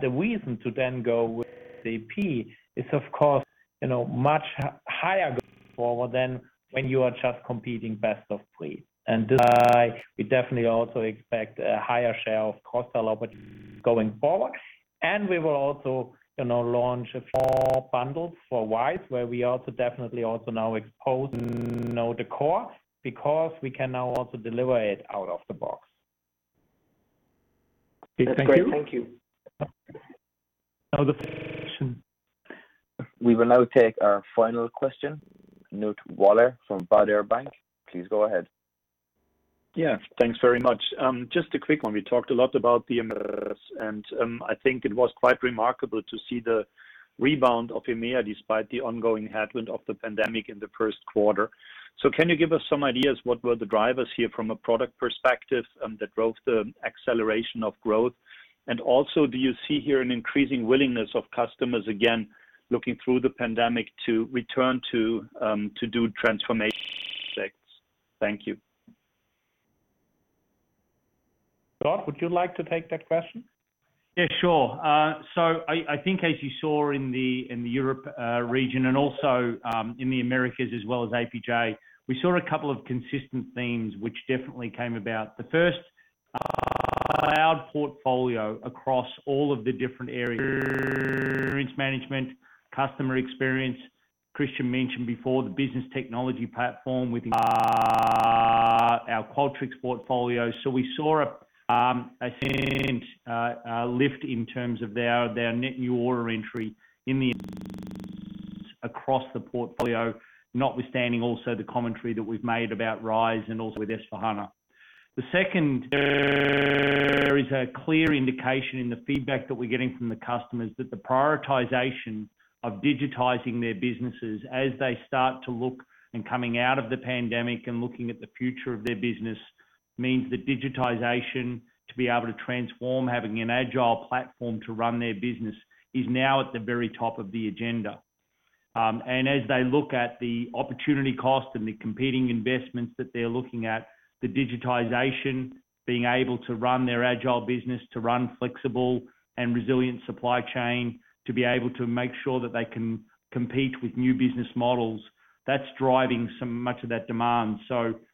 the reason to then go with SAP is of course much higher going forward than when you are just competing best of breed. This is why we definitely also expect a higher share of cross sell opportunities going forward. We will also launch a fall bundle for RISE, where we also definitely also now expose the core because we can now also deliver it out of the box. Thank you. Okay. Thank you. Now the final question. We will now take our final question. Knut Woller from Baader Bank. Please go ahead. Thanks very much. Just a quick one. We talked a lot about and I think it was quite remarkable to see the rebound of EMEA, despite the ongoing headwind of the pandemic in the first quarter. Can you give us some ideas what were the drivers here from a product perspective that drove the acceleration of growth? Also, do you see here an increasing willingness of customers, again, looking through the pandemic to return to do transformation projects? Thank you. Scott, would you like to take that question? Yeah, sure. I think as you saw in the Europe region and also in the Americas as well as APJ, we saw a couple of consistent themes which definitely came about. The first, cloud portfolio across all of the different areas. Experience management, customer experience. Christian mentioned before the Business Technology Platform within our Qualtrics portfolio. We saw a lift in terms of their net new order entry across the portfolio, notwithstanding also the commentary that we've made about RISE and also with S/4HANA. The second, there is a clear indication in the feedback that we're getting from the customers that the prioritization of digitizing their businesses as they start to look and coming out of the pandemic and looking at the future of their business, means that digitization to be able to transform, having an agile platform to run their business, is now at the very top of the agenda. As they look at the opportunity cost and the competing investments that they're looking at, the digitization, being able to run their agile business, to run flexible and resilient supply chain, to be able to make sure that they can compete with new business models, that's driving much of that demand.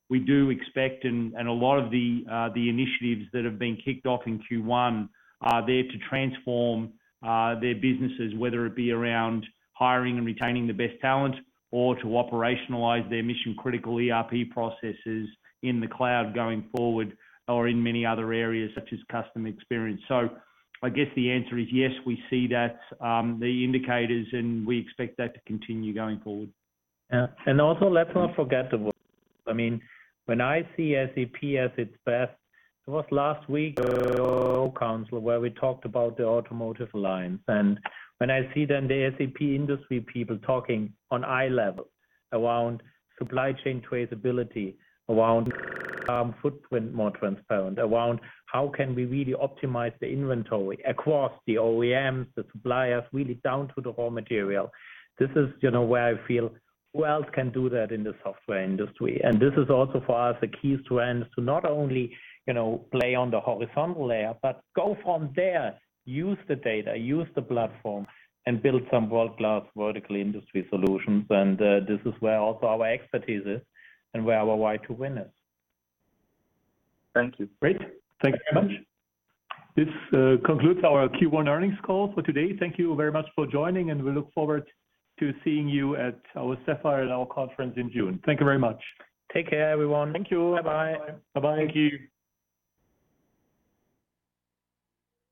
We do expect, and a lot of the initiatives that have been kicked off in Q1 are there to transform their businesses, whether it be around hiring and retaining the best talent or to operationalize their mission-critical ERP processes in the cloud going forward or in many other areas such as customer experience. I guess the answer is yes, we see that, the indicators, and we expect that to continue going forward. Yeah. Also let's not forget. When I see SAP at its best, it was last week council where we talked about the automotive alliance. When I see then the SAP industry people talking on eye level around supply chain traceability, around footprint more transparent. Around how can we really optimize the inventory across the OEMs, the suppliers, really down to the raw material. This is where I feel who else can do that in the software industry? This is also for us a key trend to not only play on the horizontal layer, but go from there, use the data, use the platform, and build some world-class vertical industry solutions. This is where also our expertise is and where our why to win is. Thank you. Great. Thank you very much. This concludes our Q1 earnings call for today. Thank you very much for joining, and we look forward to seeing you at our Sapphire conference in June. Thank you very much. Take care, everyone. Thank you. Bye-bye. Bye-bye. Thank you.